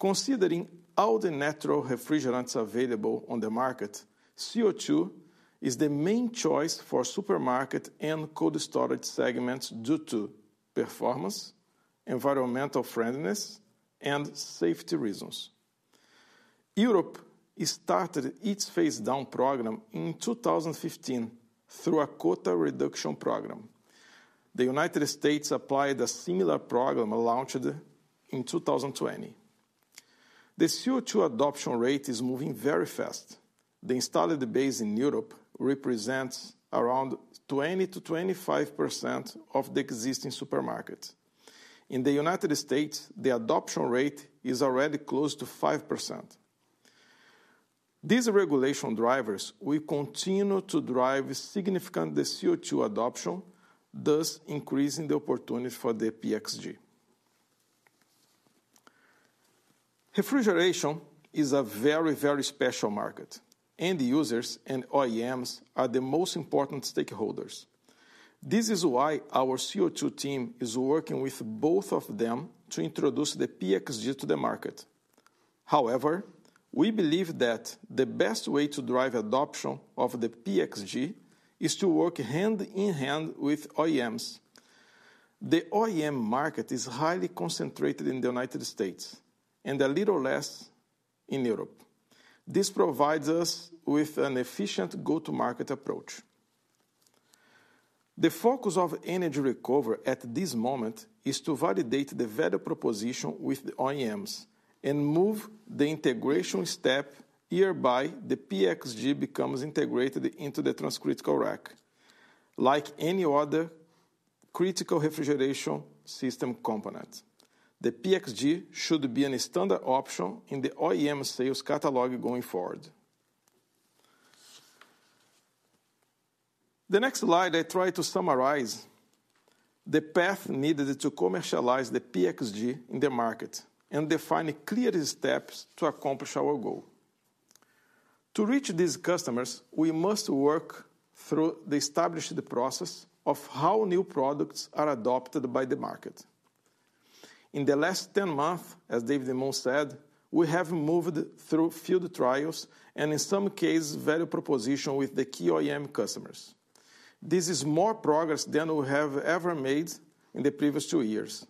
[SPEAKER 4] Considering all the natural refrigerants available on the market, CO2 is the main choice for supermarket and cold storage segments due to performance, environmental friendliness, and safety reasons. Europe started its phase-down program in 2015 through a quota reduction program. The United States applied a similar program launched in 2020. The CO2 adoption rate is moving very fast. The installed base in Europe represents around 20%-25% of the existing supermarkets. In the United States, the adoption rate is already close to 5%. These regulation drivers will continue to drive significantly the CO2 adoption, thus increasing the opportunity for the PX G. Refrigeration is a very, very special market, and the users and OEMs are the most important stakeholders. This is why our CO2 team is working with both of them to introduce the PX G to the market. However, we believe that the best way to drive adoption of the PX G is to work hand in hand with OEMs. The OEM market is highly concentrated in the United States and a little less in Europe. This provides us with an efficient go-to-market approach. The focus of Energy Recovery at this moment is to validate the value proposition with the OEMs and move the integration step whereby the PX G becomes integrated into the transcritical rack. Like any other critical refrigeration system component, the PX G should be a standard option in the OEM sales catalog going forward. The next slide, I try to summarize the path needed to commercialize the PX G in the market and define clear steps to accomplish our goal. To reach these customers, we must work through the established process of how new products are adopted by the market. In the last 10 months, as David Moon said, we have moved through field trials and, in some cases, value propositions with the key OEM customers. This is more progress than we have ever made in the previous two years.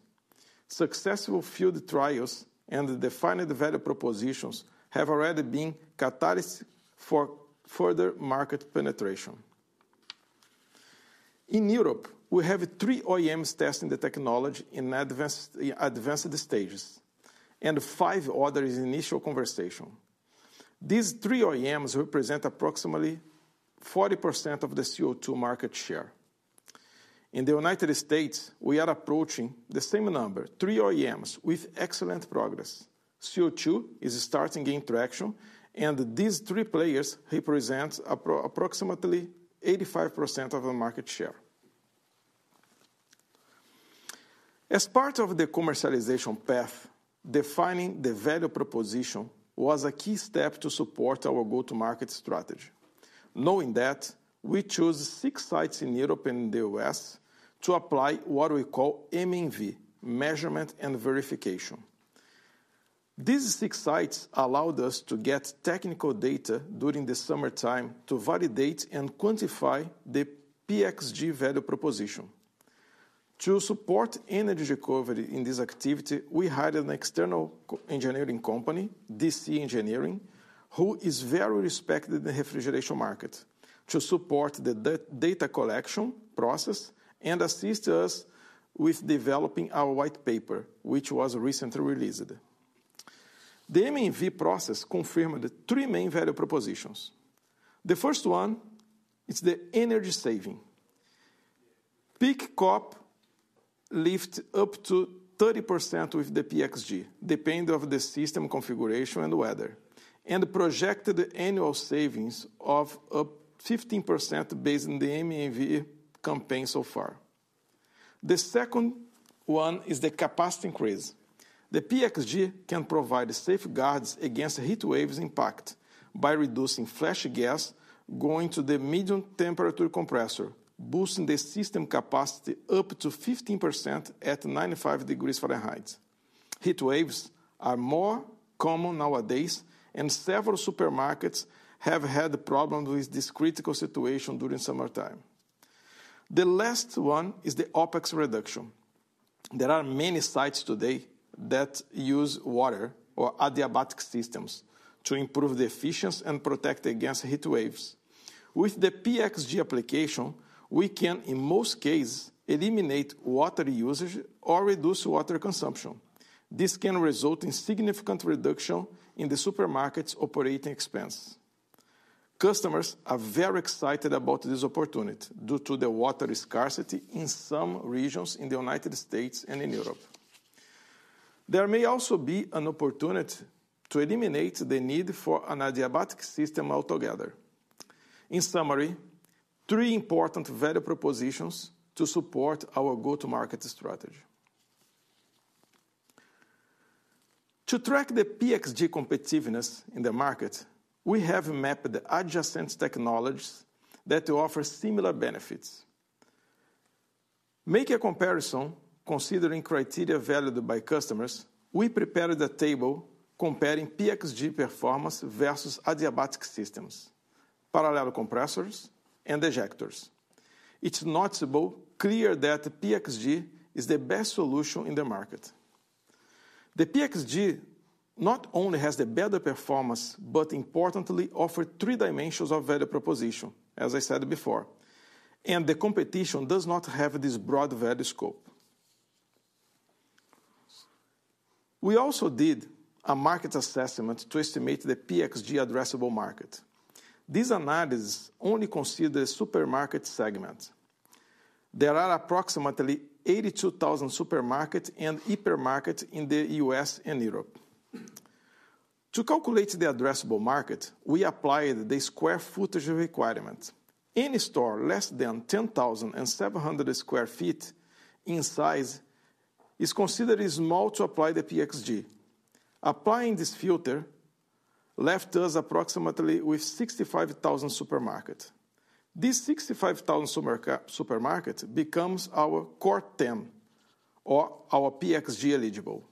[SPEAKER 4] Successful field trials and defined value propositions have already been catalysts for further market penetration. In Europe, we have three OEMs testing the technology in advanced stages and five others in initial conversation. These three OEMs represent approximately 40% of the CO2 market share. In the United States, we are approaching the same number, three OEMs with excellent progress. CO2 is starting to get traction, and these three players represent approximately 85% of the market share. As part of the commercialization path, defining the value proposition was a key step to support our go-to-market strategy. Knowing that, we chose six sites in Europe and the U.S. to apply what we call M&V, measurement and verification. These six sites allowed us to get technical data during the summertime to validate and quantify the PX G value proposition. To support Energy Recovery in this activity, we hired an external engineering company, DC Engineering, who is very respected in the refrigeration market, to support the data collection process and assist us with developing our white paper, which was recently released. The M&V process confirmed three main value propositions. The first one is the energy saving. Peak COP lifted up to 30% with the PX G, depending on the system configuration and weather, and projected annual savings of up to 15% based on the M&V campaign so far. The second one is the capacity increase. The PX G can provide safeguards against heat wave impact by reducing flash gas going to the medium temperature compressor, boosting the system capacity up to 15% at 95 degrees Fahrenheit. Heat waves are more common nowadays, and several supermarkets have had problems with this critical situation during summertime. The last one is the OPEX reduction. There are many sites today that use water or adiabatic systems to improve the efficiency and protect against heat waves. With the PX G application, we can, in most cases, eliminate water usage or reduce water consumption. This can result in a significant reduction in the supermarket's operating expense. Customers are very excited about this opportunity due to the water scarcity in some regions in the United States and in Europe. There may also be an opportunity to eliminate the need for an adiabatic system altogether. In summary, three important value propositions to support our go-to-market strategy. To track the PX G competitiveness in the market, we have mapped adjacent technologies that offer similar benefits. Making a comparison considering criteria valued by customers, we prepared a table comparing PX G performance versus adiabatic systems, parallel compressors, and ejectors. It's noticeable clearly that the PX G is the best solution in the market. The PX G not only has the better performance, but importantly, offers three dimensions of value proposition, as I said before, and the competition does not have this broad value scope. We also did a market assessment to estimate the PX G addressable market. This analysis only considers supermarket segments. There are approximately 82,000 supermarkets and hypermarkets in the U.S. and Europe. To calculate the addressable market, we applied the square footage requirement. Any store less than 10,700 sq ft in size is considered small to apply the PX G. Applying this filter left us approximately with 65,000 supermarkets. These 65,000 supermarkets become our core TAM, or our PX G eligible.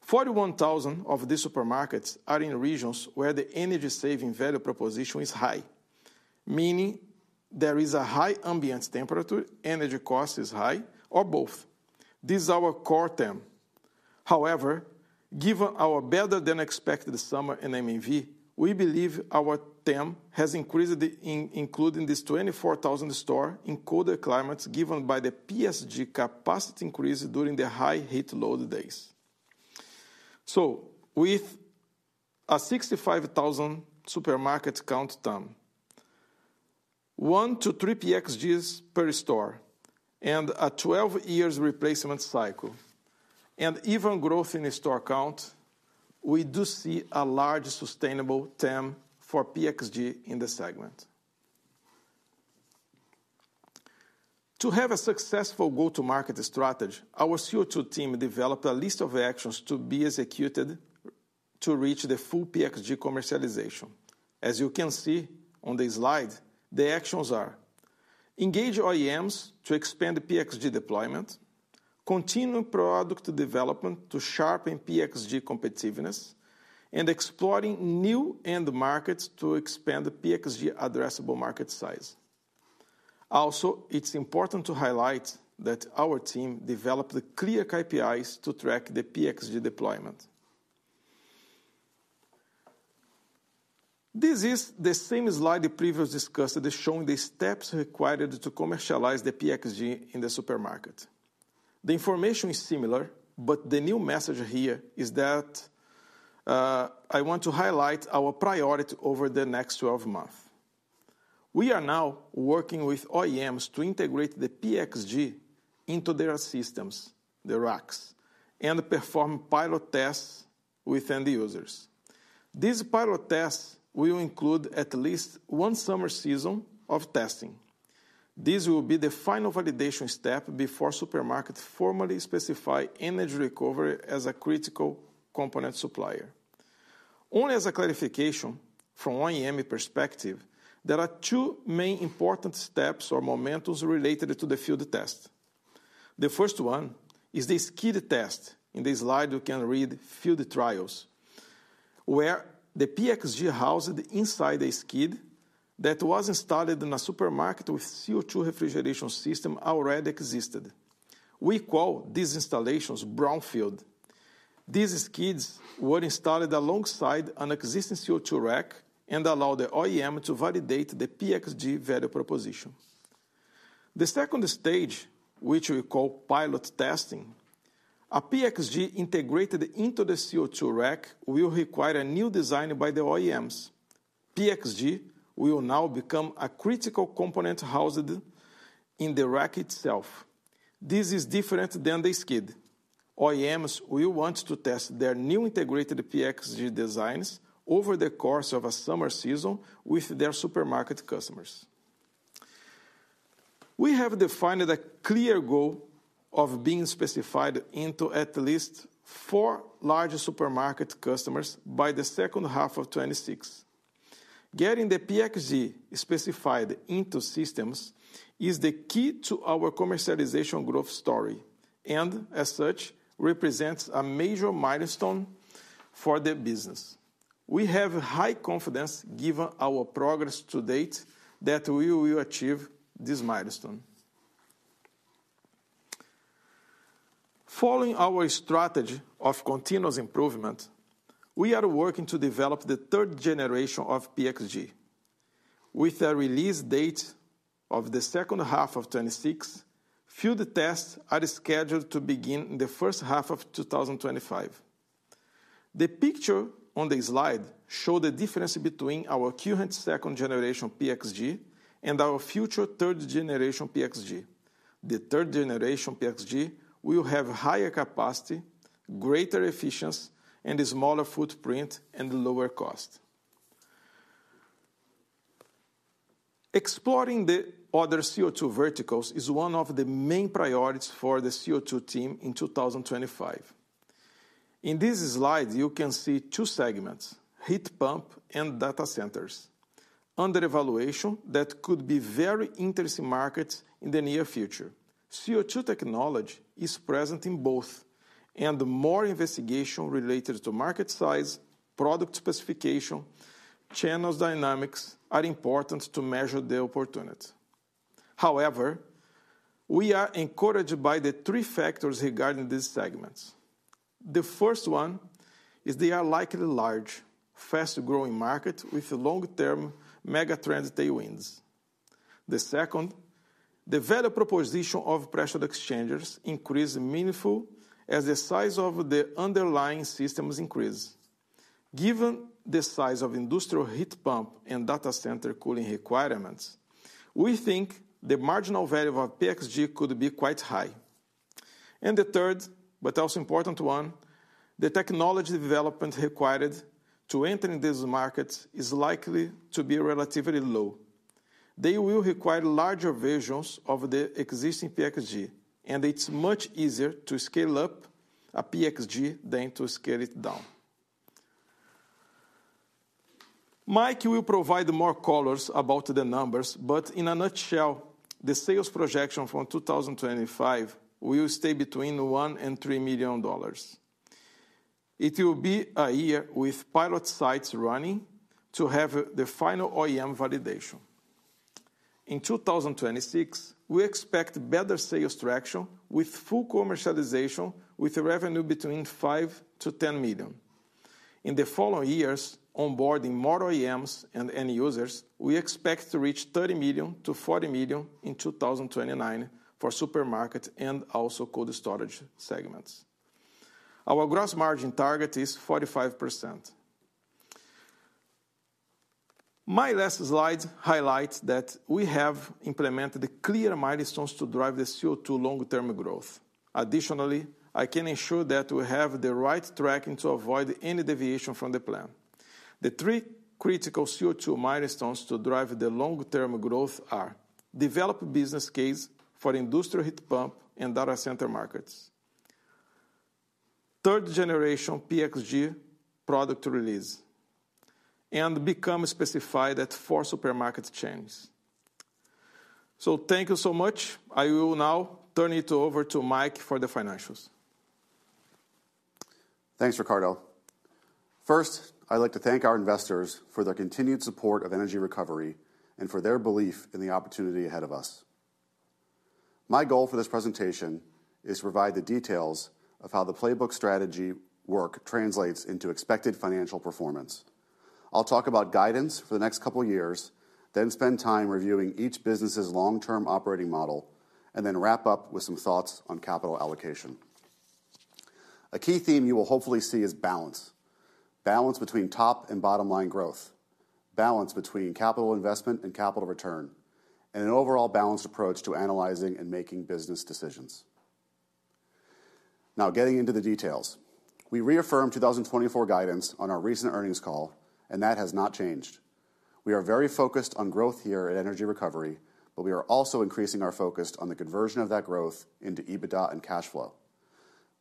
[SPEAKER 4] 41,000 of these supermarkets are in regions where the energy saving value proposition is high, meaning there is a high ambient temperature, energy cost is high, or both. This is our core TAM. However, given our better-than-expected summer in M&V, we believe our TAM has increased in including these 24,000 stores in colder climates given by the PX G capacity increase during the high heat load days. With a 65,000 supermarket count, 1-3 PX Gs per store and a 12-year replacement cycle, and even growth in the store count, we do see a large sustainable TAM for PX G in the segment. To have a successful go-to-market strategy, our CO2 team developed a list of actions to be executed to reach the full PX G commercialization. As you can see on the slide, the actions are: engage OEMs to expand PX G deployment, continue product development to sharpen PX G competitiveness, and exploring new end markets to expand PX G addressable market size. Also, it's important to highlight that our team developed clear KPIs to track the PX G deployment. This is the same slide we previously discussed that is showing the steps required to commercialize the PX G in the supermarket. The information is similar, but the new message here is that I want to highlight our priority over the next 12 months. We are now working with OEMs to integrate the PX G into their systems, the racks, and perform pilot tests with end users. These pilot tests will include at least one summer season of testing. This will be the final validation step before supermarkets formally specify Energy Recovery as a critical component supplier. Only as a clarification from an OEM perspective, there are two main important steps or moments related to the field test. The first one is the skid test. In the slide, you can read field trials, where the PX G housed inside a skid that was installed in a supermarket with a CO2 refrigeration system already existed. We call these installations brownfield. These skids were installed alongside an existing CO2 rack and allowed the OEM to validate the PX G value proposition. The second stage, which we call pilot testing, a PX G integrated into the CO2 rack, will require a new design by the OEMs. PX G will now become a critical component housed in the rack itself. This is different than the skid. OEMs will want to test their new integrated PX G designs over the course of a summer season with their supermarket customers. We have defined a clear goal of being specified into at least four large supermarket customers by the second half of 2026. Getting the PX G specified into systems is the key to our commercialization growth story and, as such, represents a major milestone for the business. We have high confidence, given our progress to date, that we will achieve this milestone. Following our strategy of continuous improvement, we are working to develop the third generation of PX G. With a release date of the second half of 2026, field tests are scheduled to begin in the first half of 2025. The picture on the slide shows the difference between our current second generation PX G and our future third generation PX G. The third generation PX G will have higher capacity, greater efficiency, a smaller footprint, and lower cost. Exploring the other CO2 verticals is one of the main priorities for the CO2 team in 2025. In this slide, you can see two segments: heat pump and data centers. Under evaluation, that could be very interesting markets in the near future. CO2 technology is present in both, and more investigation related to market size, product specification, and channel dynamics are important to measure the opportunity. However, we are encouraged by the three factors regarding these segments. The first one is they are likely large, fast-growing markets with long-term mega trends they win. The second, the value proposition of pressure exchangers increases meaningfully as the size of the underlying systems increases. Given the size of industrial heat pump and data center cooling requirements, we think the marginal value of PX G could be quite high. And the third, but also important one, the technology development required to enter in these markets is likely to be relatively low. They will require larger versions of the existing PX G, and it's much easier to scale up a PX G than to scale it down. Mike will provide more colors about the numbers, but in a nutshell, the sales projection for 2025 will stay between $1-$3 million. It will be a year with pilot sites running to have the final OEM validation. In 2026, we expect better sales traction with full commercialization, with revenue between $5-$10 million. In the following years, onboarding more OEMs and end users, we expect to reach $30-$40 million in 2029 for supermarket and also cold storage segments. Our gross margin target is 45%. My last slide highlights that we have implemented clear milestones to drive the CO2 long-term growth. Additionally, I can ensure that we have the right tracking to avoid any deviation from the plan. The three critical CO2 milestones to drive the long-term growth are: develop business case for industrial heat pump and data center markets, third generation PX G product release, and become specified at four supermarket chains. Thank you so much. I will now turn it over to Mike for the financials.
[SPEAKER 5] Thanks, Ricardo. First, I'd like to thank our investors for their continued support of Energy Recovery and for their belief in the opportunity ahead of us. My goal for this presentation is to provide the details of how the playbook strategy work translates into expected financial performance. I'll talk about guidance for the next couple of years, then spend time reviewing each business's long-term operating model, and then wrap up with some thoughts on capital allocation. A key theme you will hopefully see is balance: balance between top and bottom line growth, balance between capital investment and capital return, and an overall balanced approach to analyzing and making business decisions. Now, getting into the details. We reaffirmed 2024 guidance on our recent earnings call, and that has not changed. We are very focused on growth here at Energy Recovery, but we are also increasing our focus on the conversion of that growth into EBITDA and cash flow.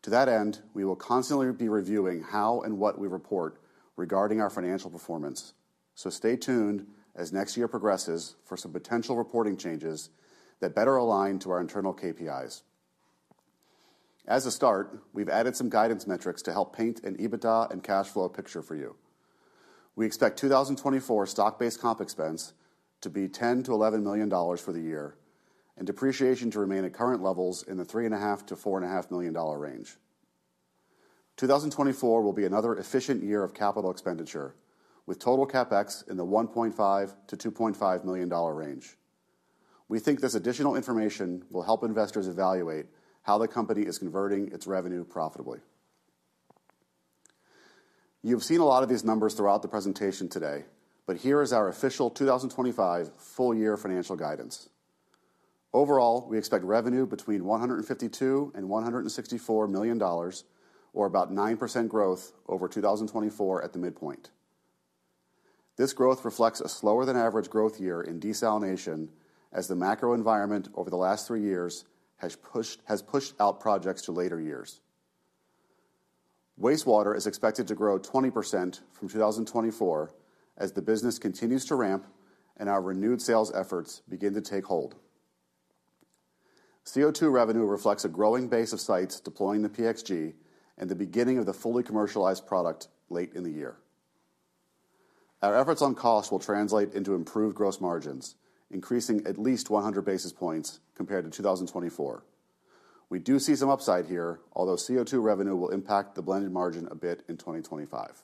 [SPEAKER 5] To that end, we will constantly be reviewing how and what we report regarding our financial performance. So, stay tuned as next year progresses for some potential reporting changes that better align to our internal KPIs. As a start, we've added some guidance metrics to help paint an EBITDA and cash flow picture for you. We expect 2024 stock-based comp expense to be $10-$11 million for the year and depreciation to remain at current levels in the $3.5-$4.5 million range. 2024 will be another efficient year of capital expenditure, with total CapEx in the $1.5-$2.5 million range. We think this additional information will help investors evaluate how the company is converting its revenue profitably. You've seen a lot of these numbers throughout the presentation today, but here is our official 2025 full-year financial guidance. Overall, we expect revenue between $152-$164 million, or about 9% growth over 2024 at the midpoint. This growth reflects a slower-than-average growth year in desalination as the macro environment over the last three years has pushed out projects to later years. Wastewater is expected to grow 20% from 2024 as the business continues to ramp and our renewed sales efforts begin to take hold. CO2 revenue reflects a growing base of sites deploying the PX G and the beginning of the fully commercialized product late in the year. Our efforts on cost will translate into improved gross margins, increasing at least 100 basis points compared to 2024. We do see some upside here, although CO2 revenue will impact the blended margin a bit in 2025.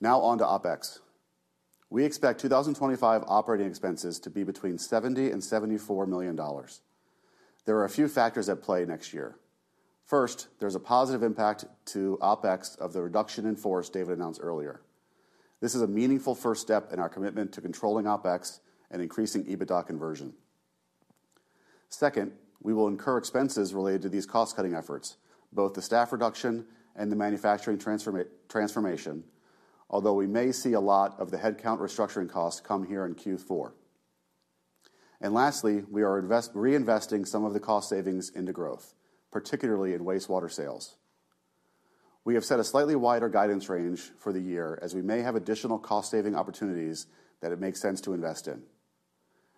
[SPEAKER 5] Now, on to OpEx. We expect 2025 operating expenses to be between $70 and $74 million. There are a few factors at play next year. First, there's a positive impact to OpEx of the reduction in force David announced earlier. This is a meaningful first step in our commitment to controlling OpEx and increasing EBITDA conversion. Second, we will incur expenses related to these cost-cutting efforts, both the staff reduction and the manufacturing transformation, although we may see a lot of the headcount restructuring costs come here in Q4. And lastly, we are reinvesting some of the cost savings into growth, particularly in wastewater sales. We have set a slightly wider guidance range for the year as we may have additional cost-saving opportunities that it makes sense to invest in.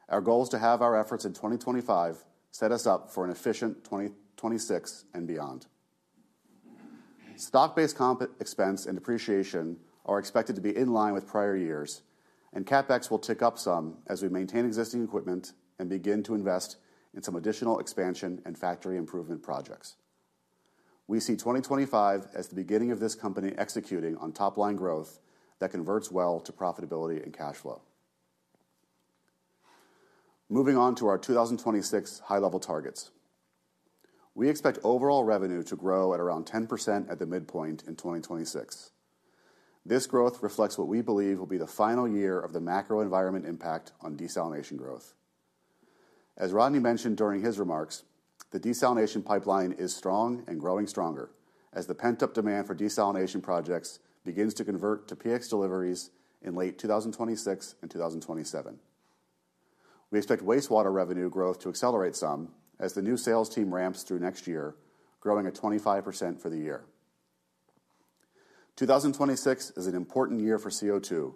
[SPEAKER 5] Our goal is to have our efforts in 2025 set us up for an efficient 2026 and beyond. Stock-based comp expense and depreciation are expected to be in line with prior years, and CapEx will tick up some as we maintain existing equipment and begin to invest in some additional expansion and factory improvement projects. We see 2025 as the beginning of this company executing on top-line growth that converts well to profitability and cash flow. Moving on to our 2026 high-level targets, we expect overall revenue to grow at around 10% at the midpoint in 2026. This growth reflects what we believe will be the final year of the macro environment impact on desalination growth. As Rodney mentioned during his remarks, the desalination pipeline is strong and growing stronger as the pent-up demand for desalination projects begins to convert to PX deliveries in late 2026 and 2027. We expect wastewater revenue growth to accelerate some as the new sales team ramps through next year, growing at 25% for the year. 2026 is an important year for CO2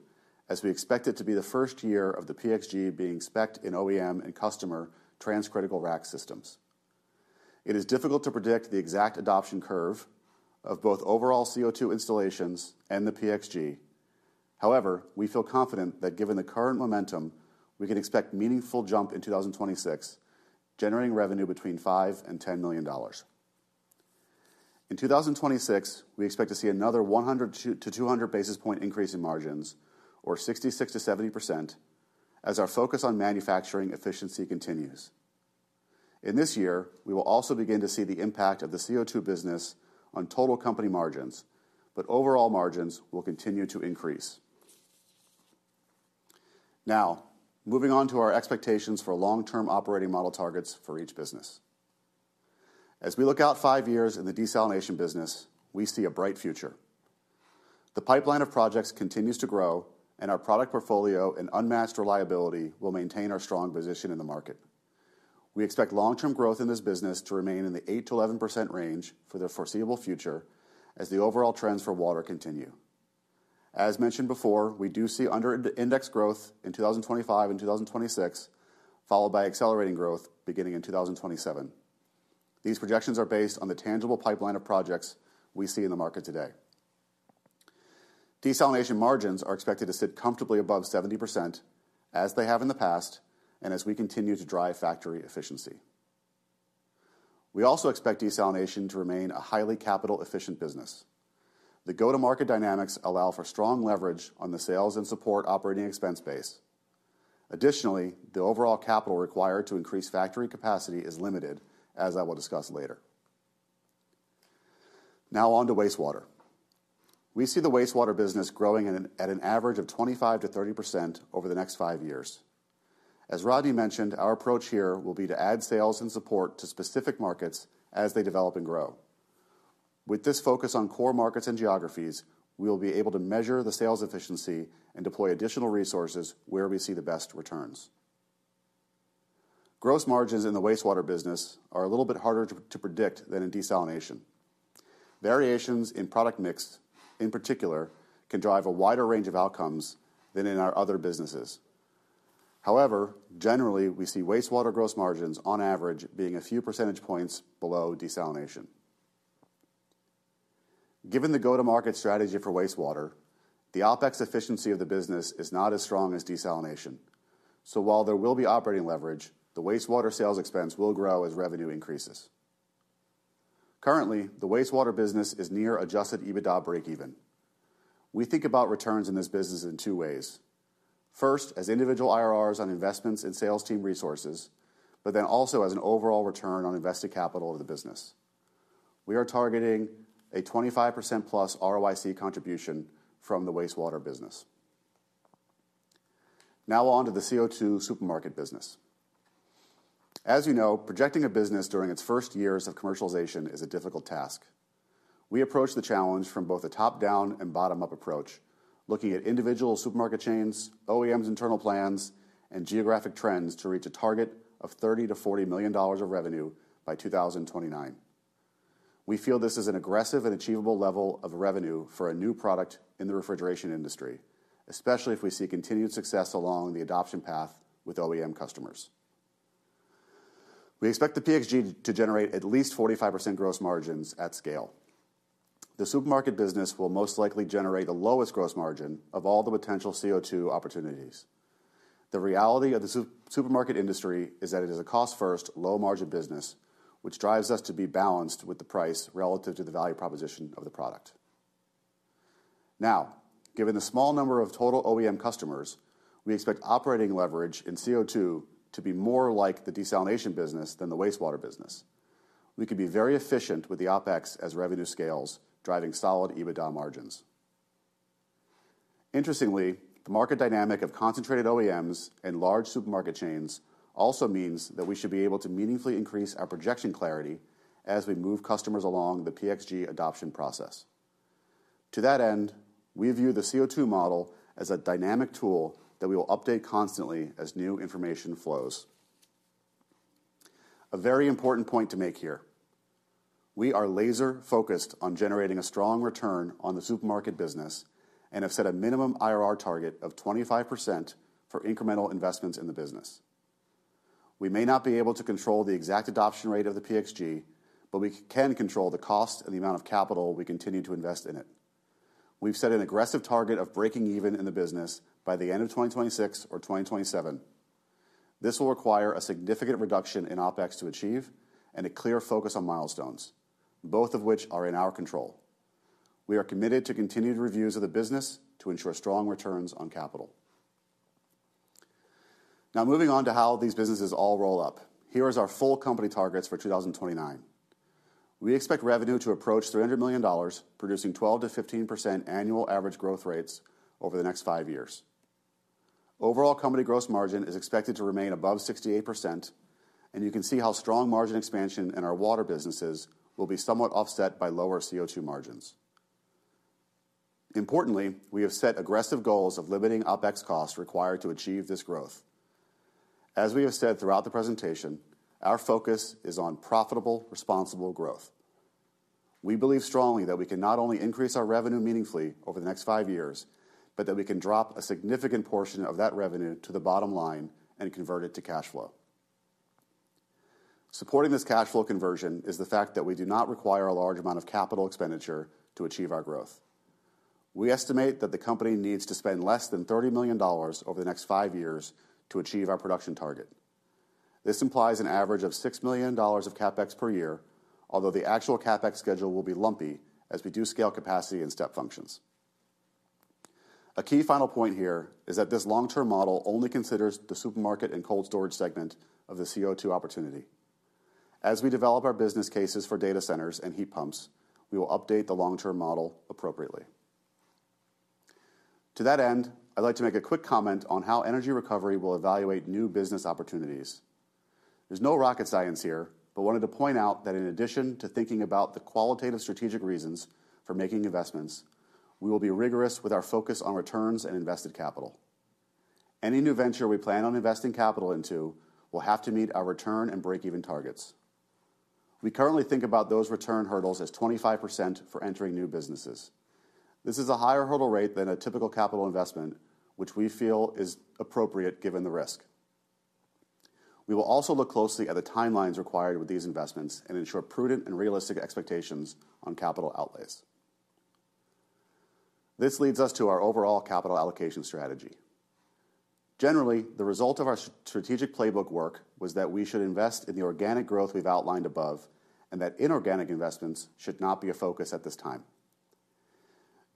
[SPEAKER 5] as we expect it to be the first year of the PX G being specced in OEM and customer transcritical rack systems. It is difficult to predict the exact adoption curve of both overall CO2 installations and the PX G. However, we feel confident that given the current momentum, we can expect a meaningful jump in 2026, generating revenue between $5 and $10 million. In 2026, we expect to see another 100 to 200 basis point increase in margins, or 66%-70%, as our focus on manufacturing efficiency continues. In this year, we will also begin to see the impact of the CO2 business on total company margins, but overall margins will continue to increase. Now, moving on to our expectations for long-term operating model targets for each business. As we look out five years in the desalination business, we see a bright future. The pipeline of projects continues to grow, and our product portfolio and unmatched reliability will maintain our strong position in the market. We expect long-term growth in this business to remain in the 8%-11% range for the foreseeable future as the overall trends for water continue. As mentioned before, we do see under-indexed growth in 2025 and 2026, followed by accelerating growth beginning in 2027. These projections are based on the tangible pipeline of projects we see in the market today. Desalination margins are expected to sit comfortably above 70% as they have in the past and as we continue to drive factory efficiency. We also expect desalination to remain a highly capital-efficient business. The go-to-market dynamics allow for strong leverage on the sales and support operating expense base. Additionally, the overall capital required to increase factory capacity is limited, as I will discuss later. Now, on to wastewater. We see the wastewater business growing at an average of 25%-30% over the next five years. As Rodney mentioned, our approach here will be to add sales and support to specific markets as they develop and grow. With this focus on core markets and geographies, we will be able to measure the sales efficiency and deploy additional resources where we see the best returns. Gross margins in the wastewater business are a little bit harder to predict than in desalination. Variations in product mix, in particular, can drive a wider range of outcomes than in our other businesses. However, generally, we see wastewater gross margins, on average, being a few percentage points below desalination. Given the go-to-market strategy for wastewater, the OpEx efficiency of the business is not as strong as desalination. So, while there will be operating leverage, the wastewater sales expense will grow as revenue increases. Currently, the wastewater business is near Adjusted EBITDA break-even. We think about returns in this business in two ways. First, as individual IRRs on investments in sales team resources, but then also as an overall return on invested capital of the business. We are targeting a 25%+ ROIC contribution from the wastewater business. Now, on to the CO2 supermarket business. As you know, projecting a business during its first years of commercialization is a difficult task. We approach the challenge from both a top-down and bottom-up approach, looking at individual supermarket chains, OEMs' internal plans, and geographic trends to reach a target of $30-$40 million of revenue by 2029. We feel this is an aggressive and achievable level of revenue for a new product in the refrigeration industry, especially if we see continued success along the adoption path with OEM customers. We expect the PX G to generate at least 45% gross margins at scale. The supermarket business will most likely generate the lowest gross margin of all the potential CO2 opportunities. The reality of the supermarket industry is that it is a cost-first, low-margin business, which drives us to be balanced with the price relative to the value proposition of the product. Now, given the small number of total OEM customers, we expect operating leverage in CO2 to be more like the desalination business than the wastewater business. We could be very efficient with the OpEx as revenue scales, driving solid EBITDA margins. Interestingly, the market dynamic of concentrated OEMs and large supermarket chains also means that we should be able to meaningfully increase our projection clarity as we move customers along the PX G adoption process. To that end, we view the CO2 model as a dynamic tool that we will update constantly as new information flows. A very important point to make here: we are laser-focused on generating a strong return on the supermarket business and have set a minimum IRR target of 25% for incremental investments in the business. We may not be able to control the exact adoption rate of the PX G, but we can control the cost and the amount of capital we continue to invest in it. We've set an aggressive target of breaking even in the business by the end of 2026 or 2027. This will require a significant reduction in OpEx to achieve and a clear focus on milestones, both of which are in our control. We are committed to continued reviews of the business to ensure strong returns on capital. Now, moving on to how these businesses all roll up, here are our full company targets for 2029. We expect revenue to approach $300 million, producing 12%-15% annual average growth rates over the next five years. Overall, company gross margin is expected to remain above 68%, and you can see how strong margin expansion in our water businesses will be somewhat offset by lower CO2 margins. Importantly, we have set aggressive goals of limiting OpEx costs required to achieve this growth. As we have said throughout the presentation, our focus is on profitable, responsible growth. We believe strongly that we can not only increase our revenue meaningfully over the next five years, but that we can drop a significant portion of that revenue to the bottom line and convert it to cash flow. Supporting this cash flow conversion is the fact that we do not require a large amount of capital expenditure to achieve our growth. We estimate that the company needs to spend less than $30 million over the next five years to achieve our production target. This implies an average of $6 million of CapEx per year, although the actual CapEx schedule will be lumpy as we do scale capacity and step functions. A key final point here is that this long-term model only considers the supermarket and cold storage segment of the CO2 opportunity. As we develop our business cases for data centers and heat pumps, we will update the long-term model appropriately. To that end, I'd like to make a quick comment on how Energy Recovery will evaluate new business opportunities. There's no rocket science here, but I wanted to point out that in addition to thinking about the qualitative strategic reasons for making investments, we will be rigorous with our focus on returns and invested capital. Any new venture we plan on investing capital into will have to meet our return and break-even targets. We currently think about those return hurdles as 25% for entering new businesses. This is a higher hurdle rate than a typical capital investment, which we feel is appropriate given the risk. We will also look closely at the timelines required with these investments and ensure prudent and realistic expectations on capital outlays. This leads us to our overall capital allocation strategy. Generally, the result of our strategic playbook work was that we should invest in the organic growth we've outlined above and that inorganic investments should not be a focus at this time.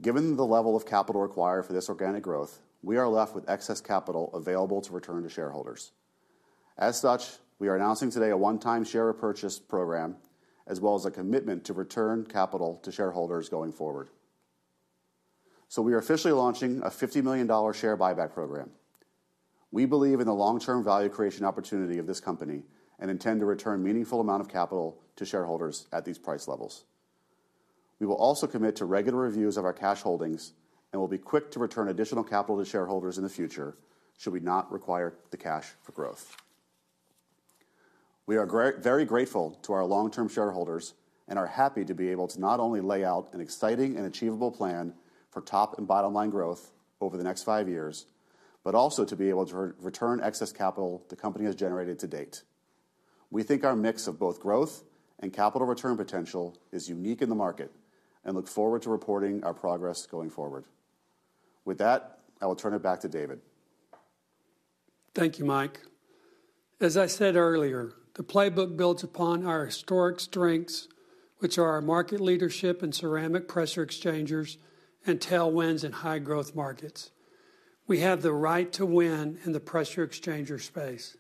[SPEAKER 5] Given the level of capital required for this organic growth, we are left with excess capital available to return to shareholders. As such, we are announcing today a one-time share purchase program, as well as a commitment to return capital to shareholders going forward. So, we are officially launching a $50 million share buyback program. We believe in the long-term value creation opportunity of this company and intend to return a meaningful amount of capital to shareholders at these price levels. We will also commit to regular reviews of our cash holdings and will be quick to return additional capital to shareholders in the future should we not require the cash for growth. We are very grateful to our long-term shareholders and are happy to be able to not only lay out an exciting and achievable plan for top and bottom line growth over the next five years, but also to be able to return excess capital the company has generated to date. We think our mix of both growth and capital return potential is unique in the market and look forward to reporting our progress going forward. With that, I will turn it back to David.
[SPEAKER 2] Thank you, Mike. As I said earlier, the playbook builds upon our historic strengths, which are our market leadership in ceramic pressure exchangers and tailwinds in high-growth markets. We have the right to win in the pressure exchanger space.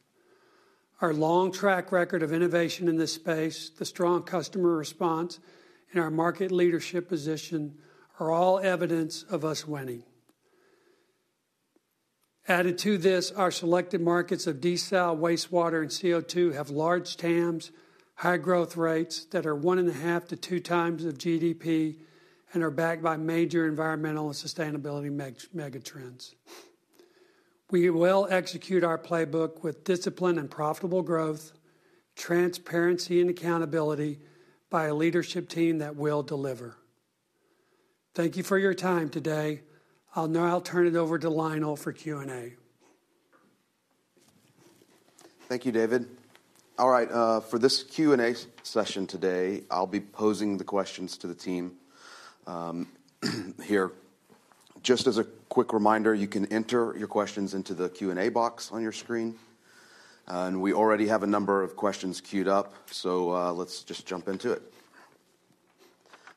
[SPEAKER 2] Our long track record of innovation in this space, the strong customer response, and our market leadership position are all evidence of us winning. Added to this, our selected markets of desal, wastewater, and CO2 have large TAMs, high growth rates that are one and a half to two times of GDP, and are backed by major environmental and sustainability megatrends. We will execute our playbook with discipline and profitable growth, transparency, and accountability by a leadership team that will deliver. Thank you for your time today. I'll now turn it over to Lionel for Q&A.
[SPEAKER 1] Thank you, David. All right, for this Q&A session today, I'll be posing the questions to the team here. Just as a quick reminder, you can enter your questions into the Q&A box on your screen. And we already have a number of questions queued up, so let's just jump into it.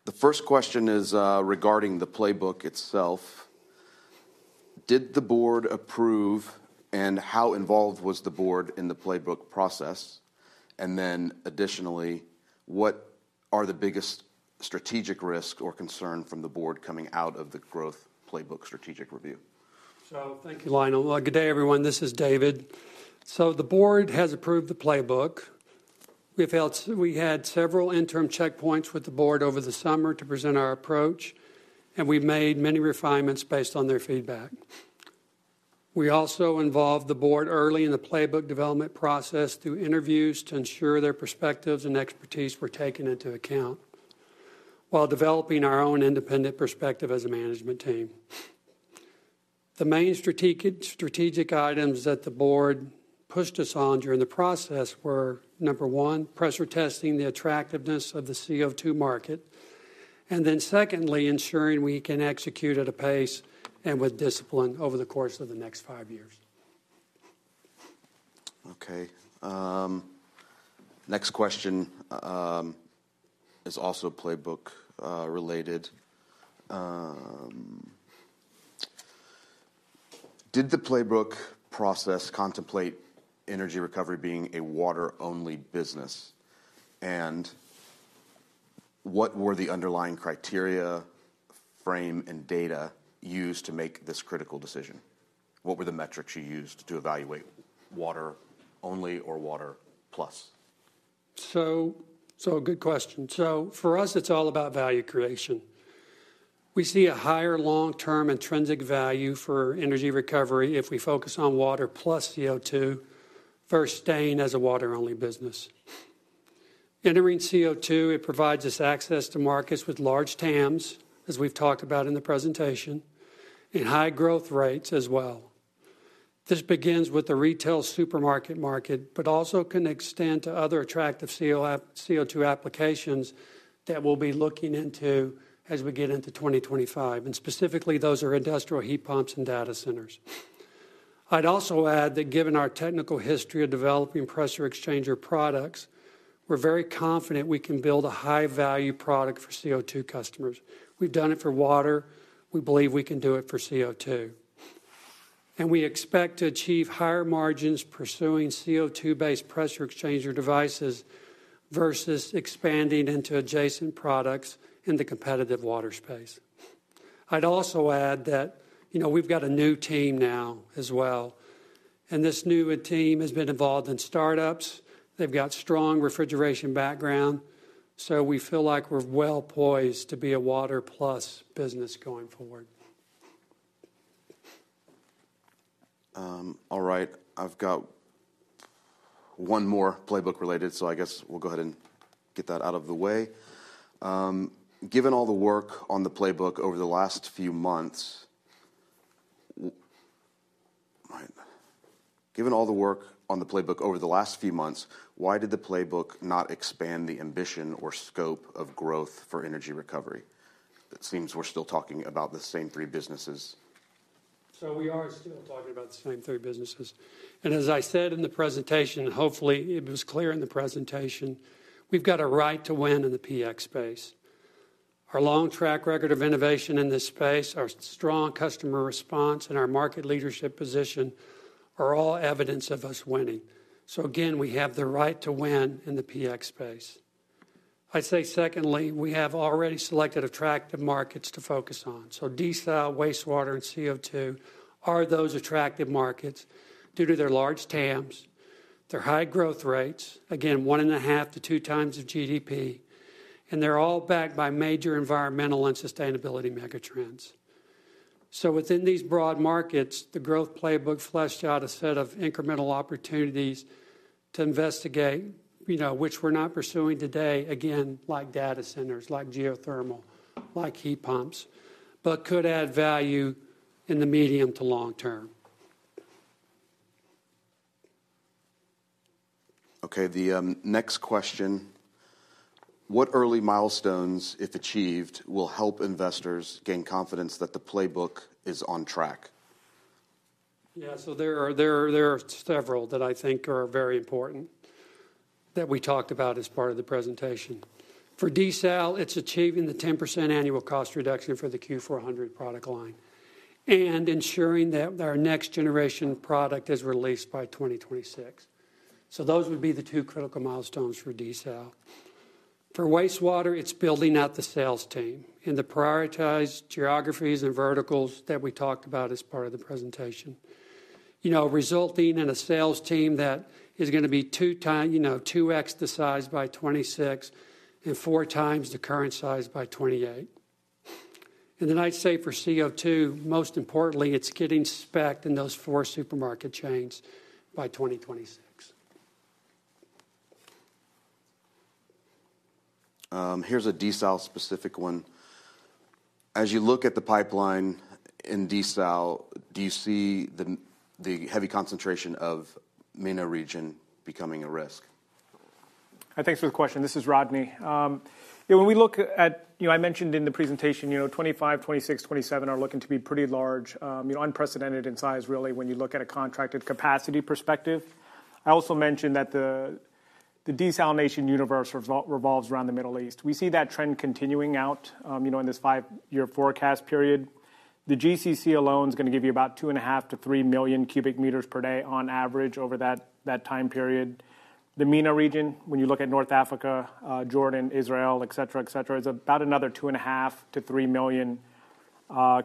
[SPEAKER 1] The first question is regarding the playbook itself. Did the board approve, and how involved was the board in the playbook process? And then additionally, what are the biggest strategic risks or concerns from the board coming out of the growth playbook strategic review?
[SPEAKER 2] So, thank you, Lionel. Good day, everyone. This is David. So, the board has approved the playbook. We've had several interim checkpoints with the board over the summer to present our approach, and we've made many refinements based on their feedback. We also involved the board early in the playbook development process through interviews to ensure their perspectives and expertise were taken into account while developing our own independent perspective as a management team. The main strategic items that the board pushed us on during the process were, number one, pressure testing the attractiveness of the CO2 market, and then secondly, ensuring we can execute at a pace and with discipline over the course of the next five years.
[SPEAKER 1] Okay. Next question is also playbook-related. Did the playbook process contemplate Energy Recovery being a water-only business? And what were the underlying criteria, frame, and data used to make this critical decision? What were the metrics you used to evaluate water-only or water-plus?
[SPEAKER 2] So, good question. So, for us, it's all about value creation. We see a higher long-term intrinsic value for Energy Recovery if we focus on water plus CO2 versus staying as a water-only business. Entering CO2, it provides us access to markets with large TAMs, as we've talked about in the presentation, and high growth rates as well. This begins with the retail supermarket market, but also can extend to other attractive CO2 applications that we'll be looking into as we get into 2025. And specifically, those are industrial heat pumps and data centers. I'd also add that given our technical history of developing pressure exchanger products, we're very confident we can build a high-value product for CO2 customers. We've done it for water. We believe we can do it for CO2. And we expect to achieve higher margins pursuing CO2-based pressure exchanger devices versus expanding into adjacent products in the competitive water space. I'd also add that, you know, we've got a new team now as well, and this new team has been involved in startups. They've got strong refrigeration background, so we feel like we're well poised to be a water-plus business going forward.
[SPEAKER 1] All right, I've got one more playbook-related, so I guess we'll go ahead and get that out of the way. Given all the work on the playbook over the last few months, why did the playbook not expand the ambition or scope of growth for Energy Recovery? It seems we're still talking about the same three businesses.
[SPEAKER 2] So we are still talking about the same three businesses. As I said in the presentation, hopefully it was clear in the presentation, we've got a right to win in the PX space. Our long track record of innovation in this space, our strong customer response, and our market leadership position are all evidence of us winning. So, again, we have the right to win in the PX space. I'd say secondly, we have already selected attractive markets to focus on. So, desal, wastewater, and CO2 are those attractive markets due to their large TAMs, their high growth rates, again, one and a half to two times of GDP, and they're all backed by major environmental and sustainability megatrends. So, within these broad markets, the growth playbook fleshed out a set of incremental opportunities to investigate, you know, which we're not pursuing today, again, like data centers, like geothermal, like heat pumps, but could add value in the medium to long term.
[SPEAKER 1] Okay, the next question: what early milestones, if achieved, will help investors gain confidence that the playbook is on track?
[SPEAKER 2] Yeah, so there are several that I think are very important that we talked about as part of the presentation. For desal, it's achieving the 10% annual cost reduction for the Q400 product line and ensuring that our next generation product is released by 2026. So, those would be the two critical milestones for desal. For wastewater, it's building out the sales team in the prioritized geographies and verticals that we talked about as part of the presentation, you know, resulting in a sales team that is going to be two times, you know, 2X the size by 2026 and four times the current size by 2028. And then I'd say for CO2, most importantly, it's getting specced in those four supermarket chains by 2026.
[SPEAKER 1] Here's a desal-specific one. As you look at the pipeline in desal, do you see the heavy concentration of MENA region becoming a risk?
[SPEAKER 3] Hi, thanks for the question. This is Rodney. Yeah, when we look at, you know, I mentioned in the presentation, you know, 2025, 2026, 2027 are looking to be pretty large, you know, unprecedented in size, really, when you look at a contracted capacity perspective. I also mentioned that the desalination universe revolves around the Middle East. We see that trend continuing out, you know, in this five-year forecast period. The GCC alone is going to give you about 2.5-3 million cubic meters per day on average over that time period. The MENA region, when you look at North Africa, Jordan, Israel, et cetera, et cetera, is about another 2.5-3 million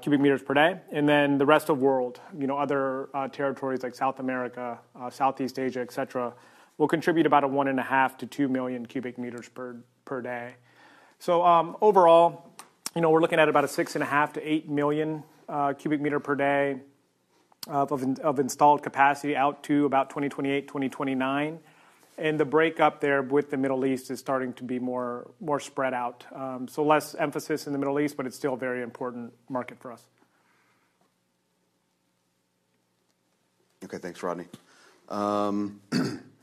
[SPEAKER 3] cubic meters per day. And then the rest of the world, you know, other territories like South America, Southeast Asia, et cetera, will contribute about 1.5-2 million cubic meters per day. So, overall, you know, we're looking at about 6.5-8 million cubic meter per day of installed capacity out to about 2028, 2029. And the breakup there with the Middle East is starting to be more spread out. So, less emphasis in the Middle East, but it's still a very important market for us.
[SPEAKER 1] Okay, thanks, Rodney.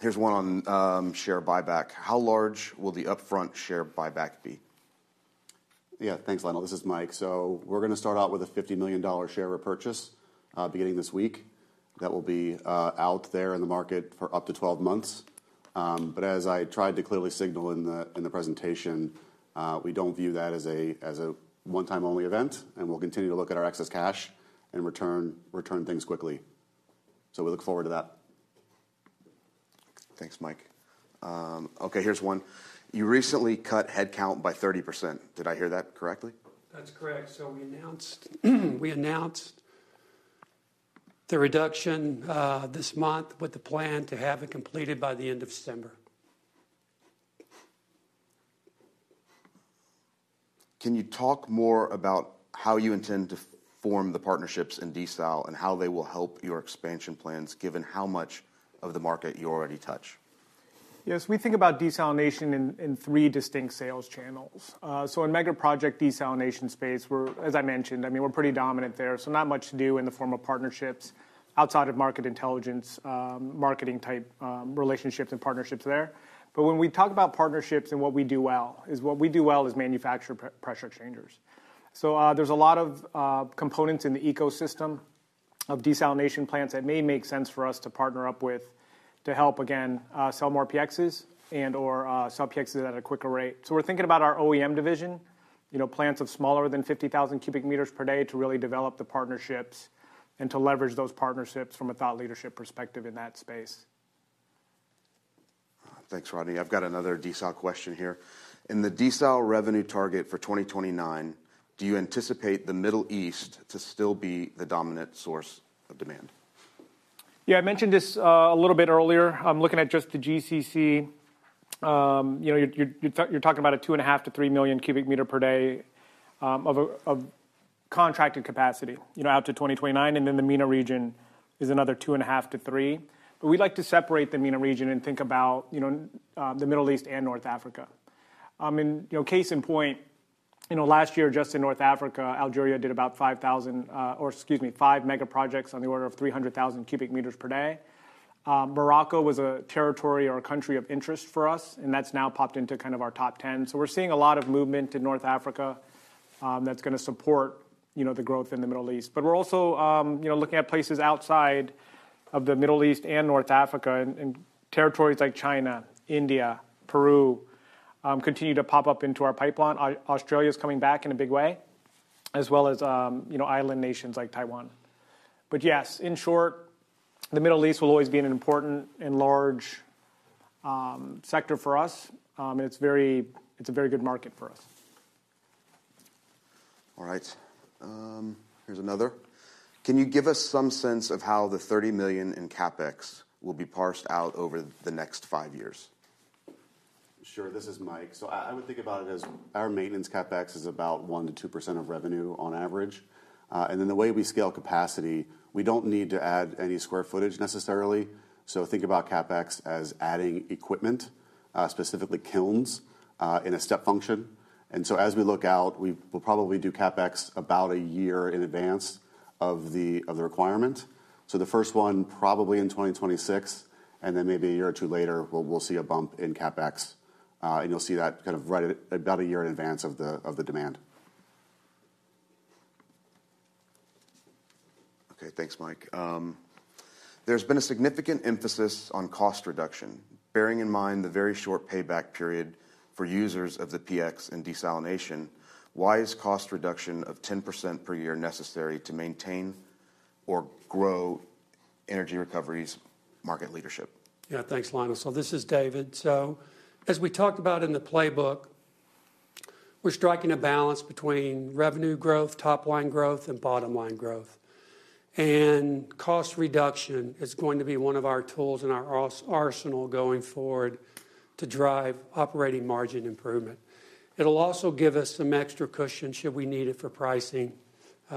[SPEAKER 1] Here's one on share buyback. How large will the upfront share buyback be?
[SPEAKER 5] Yeah, thanks, Lionel. This is Mike. So, we're going to start out with a $50 million share repurchase beginning this week. That will be out there in the market for up to 12 months. But as I tried to clearly signal in the presentation, we don't view that as a one-time-only event, and we'll continue to look at our excess cash and return things quickly. So, we look forward to that.
[SPEAKER 1] Thanks, Mike. Okay, here's one. You recently cut headcount by 30%. Did I hear that correctly?
[SPEAKER 2] That's correct. So, we announced the reduction this month with the plan to have it completed by the end of December.
[SPEAKER 1] Can you talk more about how you intend to form the partnerships in desal and how they will help your expansion plans, given how much of the market you already touch?
[SPEAKER 3] Yes, we think about desalination in three distinct sales channels. So, in megaproject desalination space, we're, as I mentioned, I mean, we're pretty dominant there. So, not much to do in the form of partnerships outside of market intelligence, marketing-type relationships and partnerships there. But when we talk about partnerships and what we do well, is manufacture pressure exchangers. So, there's a lot of components in the ecosystem of desalination plants that may make sense for us to partner up with to help, again, sell more PXs and/or sell PXs at a quicker rate. So, we're thinking about our OEM division, you know, plants of smaller than 50,000 cubic meters per day to really develop the partnerships and to leverage those partnerships from a thought leadership perspective in that space.
[SPEAKER 1] Thanks, Rodney. I've got another desal question here. In the desal revenue target for 2029, do you anticipate the Middle East to still be the dominant source of demand?
[SPEAKER 3] Yeah, I mentioned this a little bit earlier. I'm looking at just the GCC. You know, you're talking about a 2.5-3 million cubic meter per day of contracted capacity, you know, out to 2029, and then the MENA region is another 2.5-3. But we'd like to separate the MENA region and think about, you know, the Middle East and North Africa, and, you know, case in point, you know, last year, just in North Africa, Algeria did about 5,000, or excuse me, five megaprojects on the order of 300,000 cubic meters per day. Morocco was a territory or a country of interest for us, and that's now popped into kind of our top 10, so, we're seeing a lot of movement in North Africa that's going to support, you know, the growth in the Middle East. But we're also, you know, looking at places outside of the Middle East and North Africa, and territories like China, India, Peru continue to pop up into our pipeline. Australia is coming back in a big way, as well as, you know, island nations like Taiwan. But yes, in short, the Middle East will always be an important and large sector for us. It's a very good market for us.
[SPEAKER 1] All right. Here's another. Can you give us some sense of how the $30 million in CapEx will be parsed out over the next five years?
[SPEAKER 5] Sure. This is Mike. So, I would think about it as our maintenance CapEx is about 1%-2% of revenue on average. And then the way we scale capacity, we don't need to add any square footage necessarily. So, think about CapEx as adding equipment, specifically kilns, in a step function. As we look out, we'll probably do CapEx about a year in advance of the requirement. The first one probably in 2026, and then maybe a year or two later, we'll see a bump in CapEx. You'll see that kind of right about a year in advance of the demand.
[SPEAKER 1] Okay, thanks, Mike. There's been a significant emphasis on cost reduction. Bearing in mind the very short payback period for users of the PX and desalination, why is cost reduction of 10% per year necessary to maintain or grow Energy Recovery's market leadership?
[SPEAKER 2] Yeah, thanks, Lionel. This is David. As we talked about in the playbook, we're striking a balance between revenue growth, top-line growth, and bottom-line growth. Cost reduction is going to be one of our tools in our arsenal going forward to drive operating margin improvement. It'll also give us some extra cushion should we need it for pricing,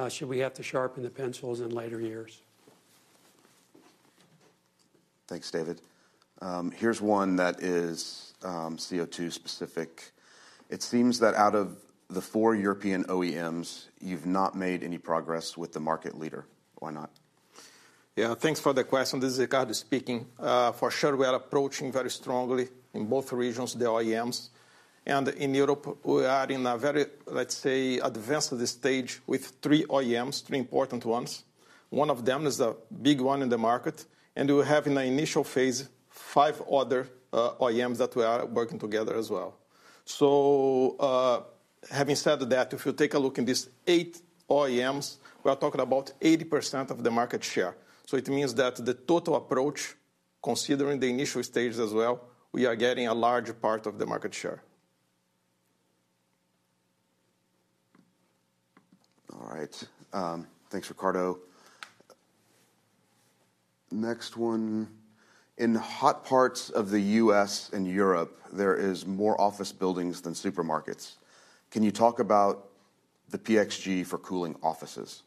[SPEAKER 2] should we have to sharpen the pencils in later years.
[SPEAKER 1] Thanks, David. Here's one that is CO2-specific. It seems that out of the four European OEMs, you've not made any progress with the market leader. Why not?
[SPEAKER 4] Yeah, thanks for the question. This is Ricardo speaking. For sure, we are approaching very strongly in both regions the OEMs. And in Europe, we are in a very, let's say, advanced stage with three OEMs, three important ones. One of them is the big one in the market. And we have in the initial phase five other OEMs that we are working together as well. So, having said that, if you take a look in these eight OEMs, we are talking about 80% of the market share. So, it means that the total approach, considering the initial stage as well, we are getting a large part of the market share.
[SPEAKER 1] All right. Thanks, Ricardo. Next one. In hot parts of the U.S. and Europe, there are more office buildings than supermarkets. Can you talk about the PX G for cooling offices?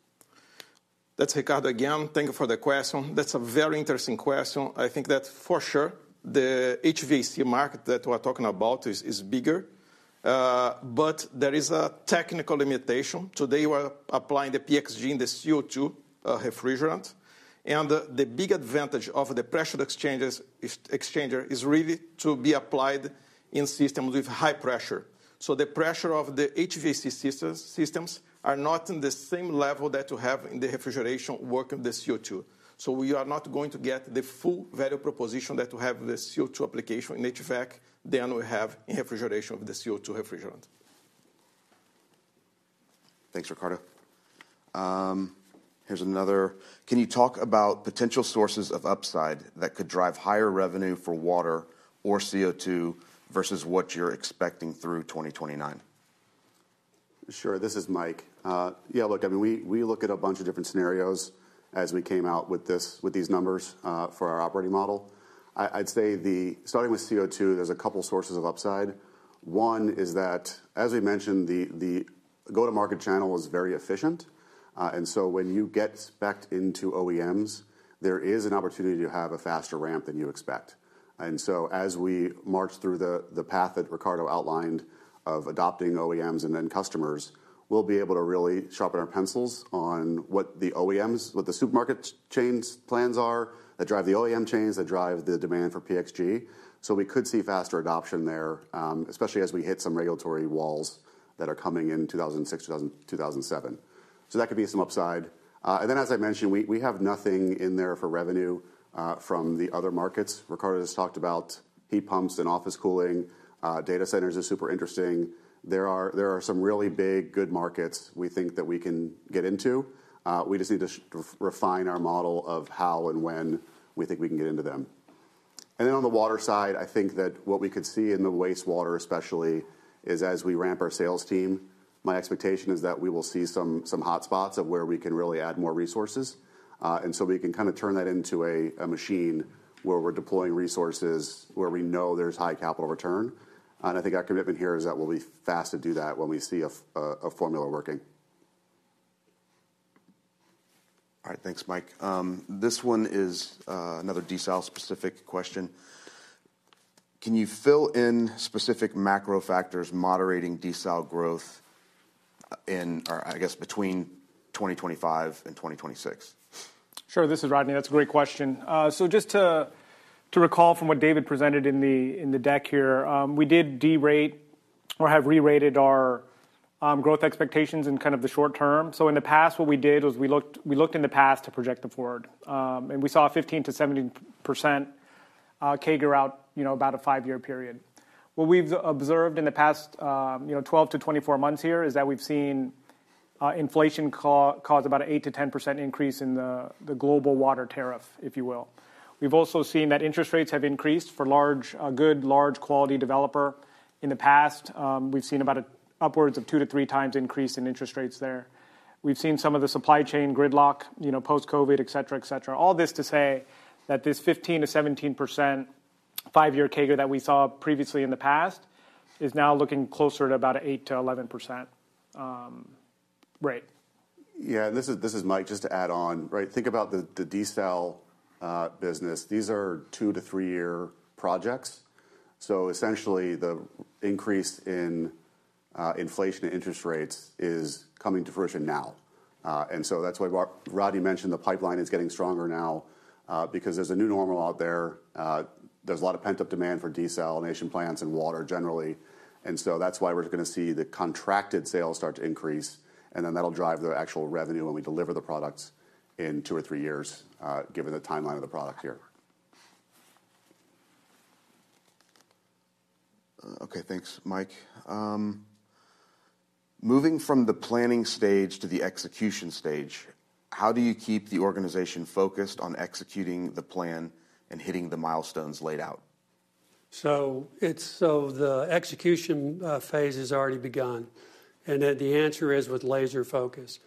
[SPEAKER 4] That's Ricardo again. Thank you for the question. That's a very interesting question. I think that for sure the HVAC market that we're talking about is bigger. But there is a technical limitation. Today, we're applying the PX G in the CO2 refrigeration. And the big advantage of the pressure exchanger is really to be applied in systems with high pressure. So, the pressure of the HVAC systems is not at the same level that you have in the CO2 refrigeration. So, we are not going to get the full value proposition that we have with the CO2 application in HVAC that we have in refrigeration with the CO2 refrigerant.
[SPEAKER 1] Thanks, Ricardo. Here's another. Can you talk about potential sources of upside that could drive higher revenue for water or CO2 versus what you're expecting through 2029?
[SPEAKER 5] Sure. This is Mike. Yeah, look, I mean, we look at a bunch of different scenarios as we came out with these numbers for our operating model. I'd say starting with CO2, there's a couple of sources of upside. One is that, as we mentioned, the go-to-market channel is very efficient. And so, when you get specced into OEMs, there is an opportunity to have a faster ramp than you expect. As we march through the path that Ricardo outlined of adopting OEMs and then customers, we'll be able to really sharpen our pencils on what the OEMs, what the supermarket chains' plans are that drive the OEM chains, that drive the demand for PX G. So, that could be some upside. And then, as I mentioned, we have nothing in there for revenue from the other markets. Ricardo has talked about heat pumps and office cooling. Data centers are super interesting. There are some really big good markets we think that we can get into. We just need to refine our model of how and when we think we can get into them. And then on the water side, I think that what we could see in the wastewater, especially, is as we ramp our sales team, my expectation is that we will see some hotspots of where we can really add more resources. And so, we can kind of turn that into a machine where we're deploying resources where we know there's high capital return. And I think our commitment here is that we'll be fast to do that when we see a formula working.
[SPEAKER 1] All right. Thanks, Mike. This one is another desal-specific question. Can you fill in specific macro factors moderating desal growth in, or I guess, between 2025 and 2026?
[SPEAKER 3] Sure. This is Rodney. That's a great question. So, just to recall from what David presented in the deck here, we did derate or have re-rated our growth expectations in kind of the short term. In the past, what we did was we looked in the past to project the forward. We saw a 15%-17% CAGR out, you know, about a five-year period. What we've observed in the past, you know, 12-24 months here is that we've seen inflation cause about an 8%-10% increase in the global water tariff, if you will. We've also seen that interest rates have increased for large good, large quality developer. In the past, we've seen about an upwards of two to three times increase in interest rates there. We've seen some of the supply chain gridlock, you know, post-COVID, et cetera, et cetera. All this to say that this 15%-17% five-year CAGR that we saw previously in the past is now looking closer to about an 8%-11% rate.
[SPEAKER 5] Yeah, and this is Mike just to add on, right? Think about the desal business. These are two to three-year projects. So, essentially, the increase in inflation and interest rates is coming to fruition now. And so, that's why Rodney mentioned the pipeline is getting stronger now because there's a new normal out there. There's a lot of pent-up demand for desalination plants and water generally. And so, that's why we're going to see the contracted sales start to increase. And then that'll drive the actual revenue when we deliver the products in two or three years, given the timeline of the product here.
[SPEAKER 1] Okay, thanks, Mike. Moving from the planning stage to the execution stage, how do you keep the organization focused on executing the plan and hitting the milestones laid out?
[SPEAKER 2] So, the execution phase has already begun. And then the answer is with laser focus.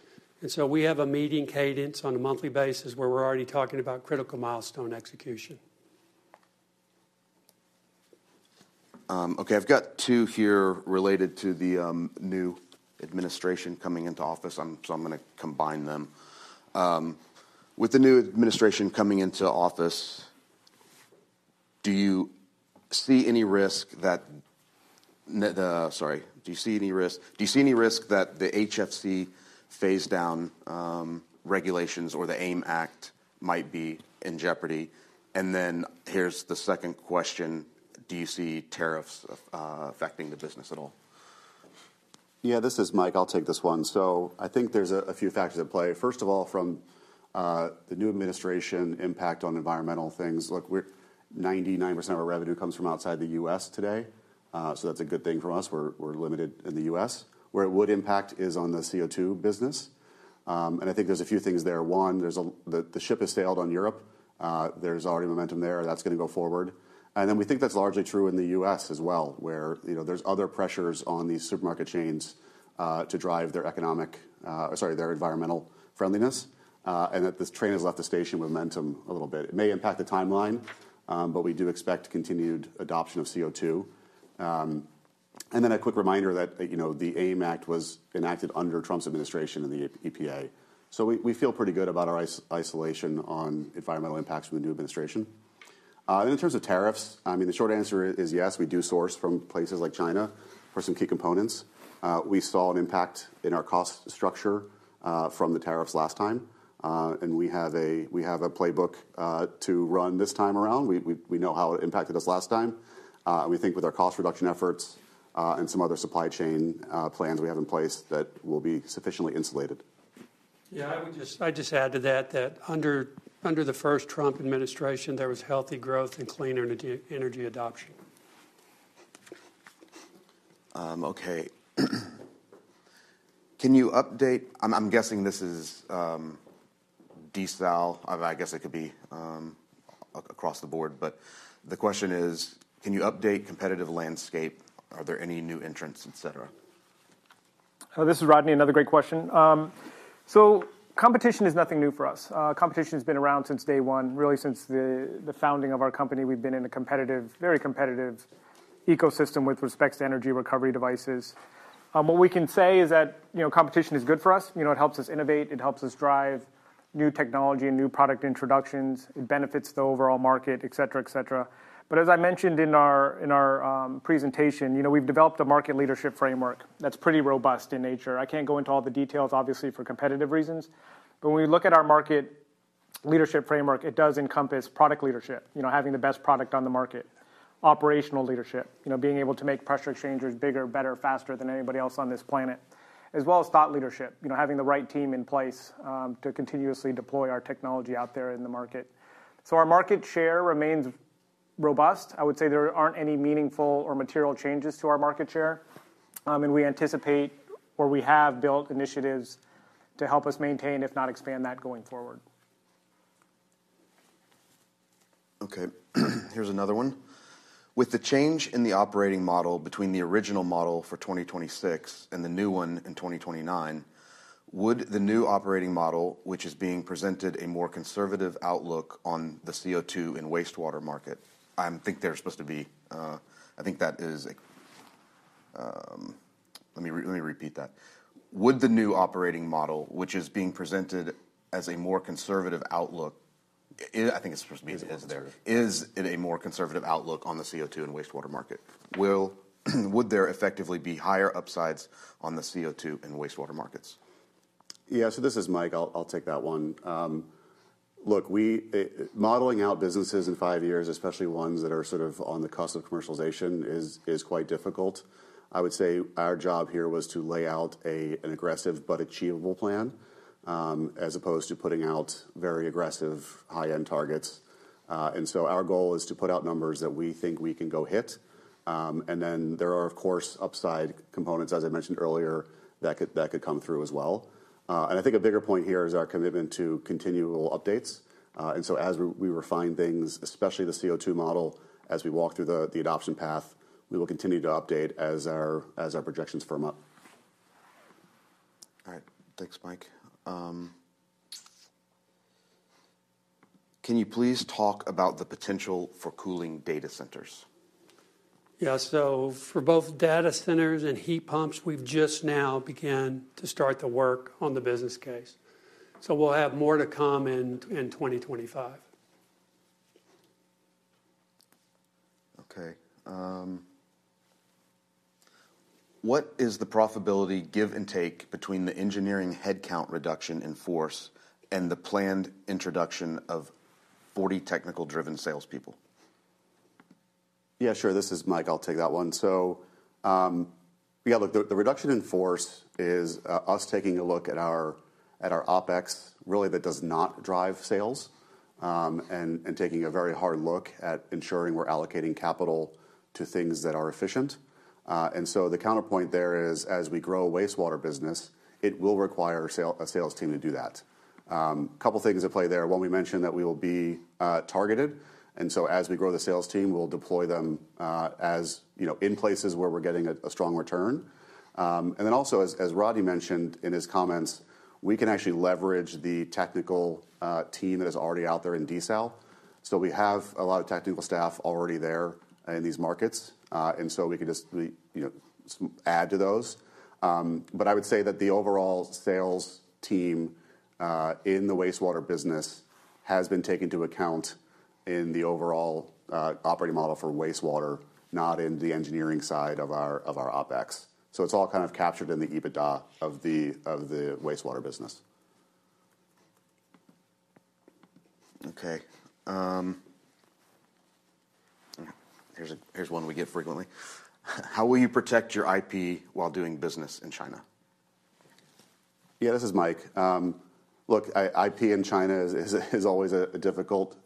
[SPEAKER 2] So, we have a meeting cadence on a monthly basis where we're already talking about critical milestone execution.
[SPEAKER 1] Okay, I've got two here related to the new administration coming into office. So, I'm going to combine them. With the new administration coming into office, do you see any risk that, sorry, do you see any risk? Do you see any risk that the HFC phase-down regulations or the AIM Act might be in jeopardy? And then here's the second question. Do you see tariffs affecting the business at all?
[SPEAKER 5] Yeah, this is Mike. I'll take this one. So, I think there's a few factors at play. First of all, from the new administration, impact on environmental things. Look, 99% of our revenue comes from outside the U.S. today. So, that's a good thing for us. We're limited in the U.S. Where it would impact is on the CO2 business. And I think there's a few things there. One, the ship has sailed on Europe. There's already momentum there. That's going to go forward. And then we think that's largely true in the U.S. as well, where, you know, there's other pressures on these supermarket chains to drive their economic, sorry, their environmental friendliness. And that this train has left the station momentum a little bit. It may impact the timeline, but we do expect continued adoption of CO2. And then a quick reminder that, you know, the AIM Act was enacted under Trump's administration and the EPA. So, we feel pretty good about our isolation on environmental impacts from the new administration. And in terms of tariffs, I mean, the short answer is yes. We do source from places like China for some key components. We saw an impact in our cost structure from the tariffs last time. We have a playbook to run this time around. We know how it impacted us last time. We think with our cost reduction efforts and some other supply chain plans we have in place that we'll be sufficiently insulated.
[SPEAKER 2] Yeah, I would just add to that that under the first Trump administration, there was healthy growth and clean energy adoption.
[SPEAKER 1] Okay. Can you update? I'm guessing this is desal. I guess it could be across the board. The question is, can you update competitive landscape? Are there any new entrants, et cetera?
[SPEAKER 3] This is Rodney. Another great question. Competition is nothing new for us. Competition has been around since day one, really since the founding of our company. We've been in a competitive, very competitive ecosystem with respect to energy recovery devices. What we can say is that, you know, competition is good for us. You know, it helps us innovate. It helps us drive new technology and new product introductions. It benefits the overall market, et cetera, et cetera. But as I mentioned in our presentation, you know, we've developed a market leadership framework that's pretty robust in nature. I can't go into all the details, obviously, for competitive reasons. But when we look at our market leadership framework, it does encompass product leadership, you know, having the best product on the market, operational leadership, you know, being able to make pressure exchangers bigger, better, faster than anybody else on this planet, as well as thought leadership, you know, having the right team in place to continuously deploy our technology out there in the market. So, our market share remains robust. I would say there aren't any meaningful or material changes to our market share. We anticipate or we have built initiatives to help us maintain, if not expand that going forward.
[SPEAKER 1] Okay, here's another one. With the change in the operating model between the original model for 2026 and the new one in 2029, would the new operating model, which is being presented as a more conservative outlook on the CO2 and wastewater market, is it a more conservative outlook on the CO2 and wastewater market? Would there effectively be higher upsides on the CO2 and wastewater markets?
[SPEAKER 5] Yeah, so this is Mike. I'll take that one. Look, modeling out businesses in five years, especially ones that are sort of on the cusp of commercialization, is quite difficult. I would say our job here was to lay out an aggressive but achievable plan as opposed to putting out very aggressive high-end targets. Our goal is to put out numbers that we think we can go hit. Then there are, of course, upside components, as I mentioned earlier, that could come through as well. I think a bigger point here is our commitment to continual updates. As we refine things, especially the CO2 model, as we walk through the adoption path, we will continue to update as our projections firm up.
[SPEAKER 1] All right. Thanks, Mike. Can you please talk about the potential for cooling data centers?
[SPEAKER 2] Yeah, so for both data centers and heat pumps, we've just now begun to start the work on the business case. We'll have more to come in 2025.
[SPEAKER 1] Okay. What is the profitability give and take between the engineering headcount reduction in force and the planned introduction of 40 technical-driven salespeople?
[SPEAKER 5] Yeah, sure. This is Mike. I'll take that one. So, yeah, look, the reduction in force is us taking a look at our OPEX, really, that does not drive sales, and taking a very hard look at ensuring we're allocating capital to things that are efficient. And so, the counterpoint there is, as we grow a wastewater business, it will require a sales team to do that. A couple of things at play there. One, we mentioned that we will be targeted. And so, as we grow the sales team, we'll deploy them as, you know, in places where we're getting a strong return. And then also, as Rodney mentioned in his comments, we can actually leverage the technical team that is already out there in desal. We have a lot of technical staff already there in these markets. And so, we can just, you know, add to those. But I would say that the overall sales team in the wastewater business has been taken into account in the overall operating model for wastewater, not in the engineering side of our OpEx. So, it's all kind of captured in the EBITDA of the wastewater business.
[SPEAKER 1] Okay. Here's one we get frequently. How will you protect your IP while doing business in China?
[SPEAKER 5] Yeah, this is Mike. Look, IP in China is always a difficult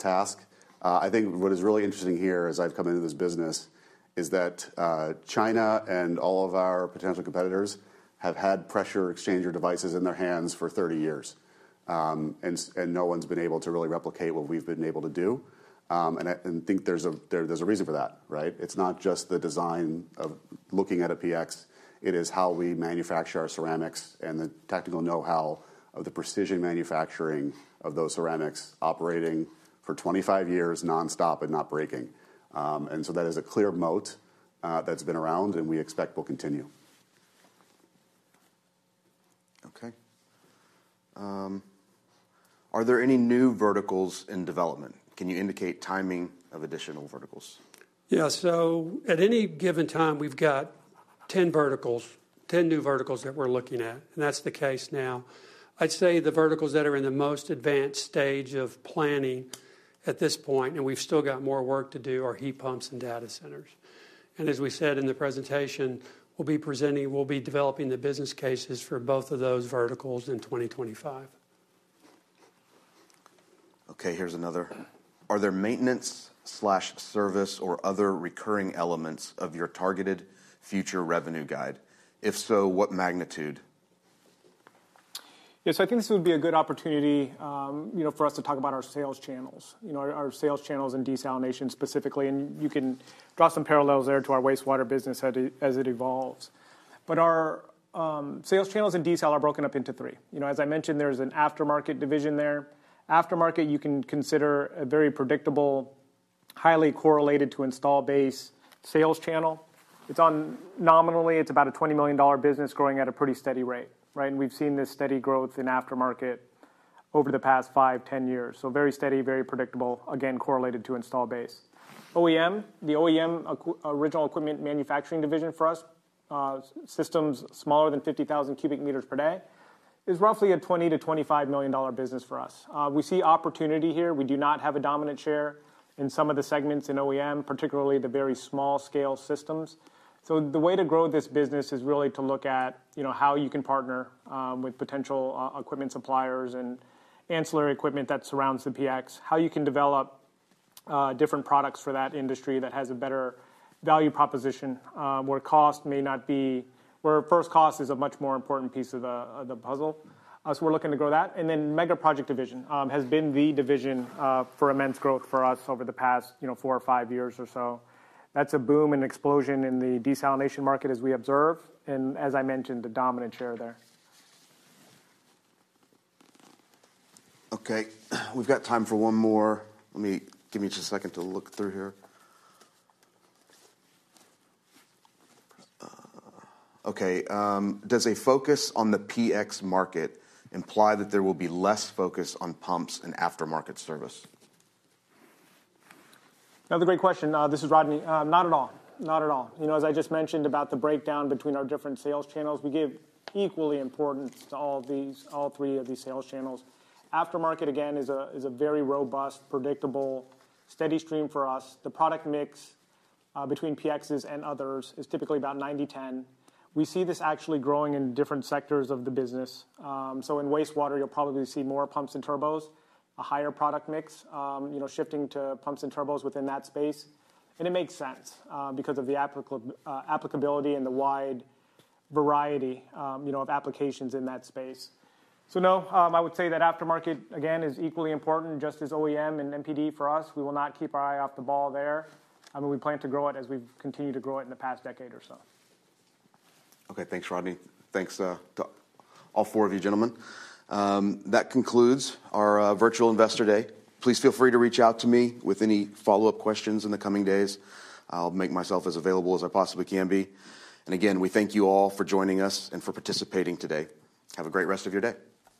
[SPEAKER 5] task. I think what is really interesting here, as I've come into this business, is that China and all of our potential competitors have had pressure exchanger devices in their hands for 30 years. And no one's been able to really replicate what we've been able to do. And I think there's a reason for that, right? It's not just the design of looking at a PX. It is how we manufacture our ceramics and the technical know-how of the precision manufacturing of those ceramics operating for 25 years nonstop and not breaking. And so, that is a clear moat that's been around and we expect will continue.
[SPEAKER 1] Okay. Are there any new verticals in development? Can you indicate timing of additional verticals?
[SPEAKER 2] Yeah, so at any given time, we've got 10 verticals, 10 new verticals that we're looking at. And that's the case now. I'd say the verticals that are in the most advanced stage of planning at this point, and we've still got more work to do, are heat pumps and data centers. And as we said in the presentation, we'll be presenting, we'll be developing the business cases for both of those verticals in 2025.
[SPEAKER 1] Okay, here's another. Are there maintenance/service or other recurring elements of your targeted future revenue guide? If so, what magnitude?
[SPEAKER 3] Yeah, so I think this would be a good opportunity, you know, for us to talk about our sales channels, you know, our sales channels in desalination specifically, and you can draw some parallels there to our wastewater business as it evolves, but our sales channels in desal are broken up into three. You know, as I mentioned, there's an aftermarket division there. Aftermarket, you can consider a very predictable, highly correlated to installed base sales channel. It's nominally about a $20 million business growing at a pretty steady rate, right, and we've seen this steady growth in aftermarket over the past five, ten years, so very steady, very predictable, again, correlated to installed base. OEM, the OEM, original equipment manufacturing division for us, systems smaller than 50,000 cubic meters per day, is roughly a $20-$25 million business for us. We see opportunity here. We do not have a dominant share in some of the segments in OEM, particularly the very small-scale systems. So, the way to grow this business is really to look at, you know, how you can partner with potential equipment suppliers and ancillary equipment that surrounds the PX, how you can develop different products for that industry that has a better value proposition where cost may not be, where first cost is a much more important piece of the puzzle. So, we're looking to grow that. And then mega project division has been the division for immense growth for us over the past, you know, four or five years or so. That's a boom and explosion in the desalination market as we observe, and as I mentioned, the dominant share there.
[SPEAKER 1] Okay, we've got time for one more. Let me give it just a second to look through here. Okay, does a focus on the PX market imply that there will be less focus on pumps and aftermarket service?
[SPEAKER 3] Another great question. This is Rodney. Not at all. Not at all. You know, as I just mentioned about the breakdown between our different sales channels, we give equally importance to all these, all three of these sales channels. Aftermarket, again, is a very robust, predictable, steady stream for us. The product mix between PXs and others is typically about 90-10. We see this actually growing in different sectors of the business. So, in wastewater, you'll probably see more pumps and turbos, a higher product mix, you know, shifting to pumps and turbos within that space. And it makes sense because of the applicability and the wide variety, you know, of applications in that space. So, no, I would say that aftermarket, again, is equally important, just as OEM and MPD for us. We will not keep our eye off the ball there. I mean, we plan to grow it as we've continued to grow it in the past decade or so.
[SPEAKER 1] Okay, thanks, Rodney. Thanks to all four of you, gentlemen. That concludes our Virtual Investor Day. Please feel free to reach out to me with any follow-up questions in the coming days. I'll make myself as available as I possibly can be. And again, we thank you all for joining us and for participating today. Have a great rest of your day.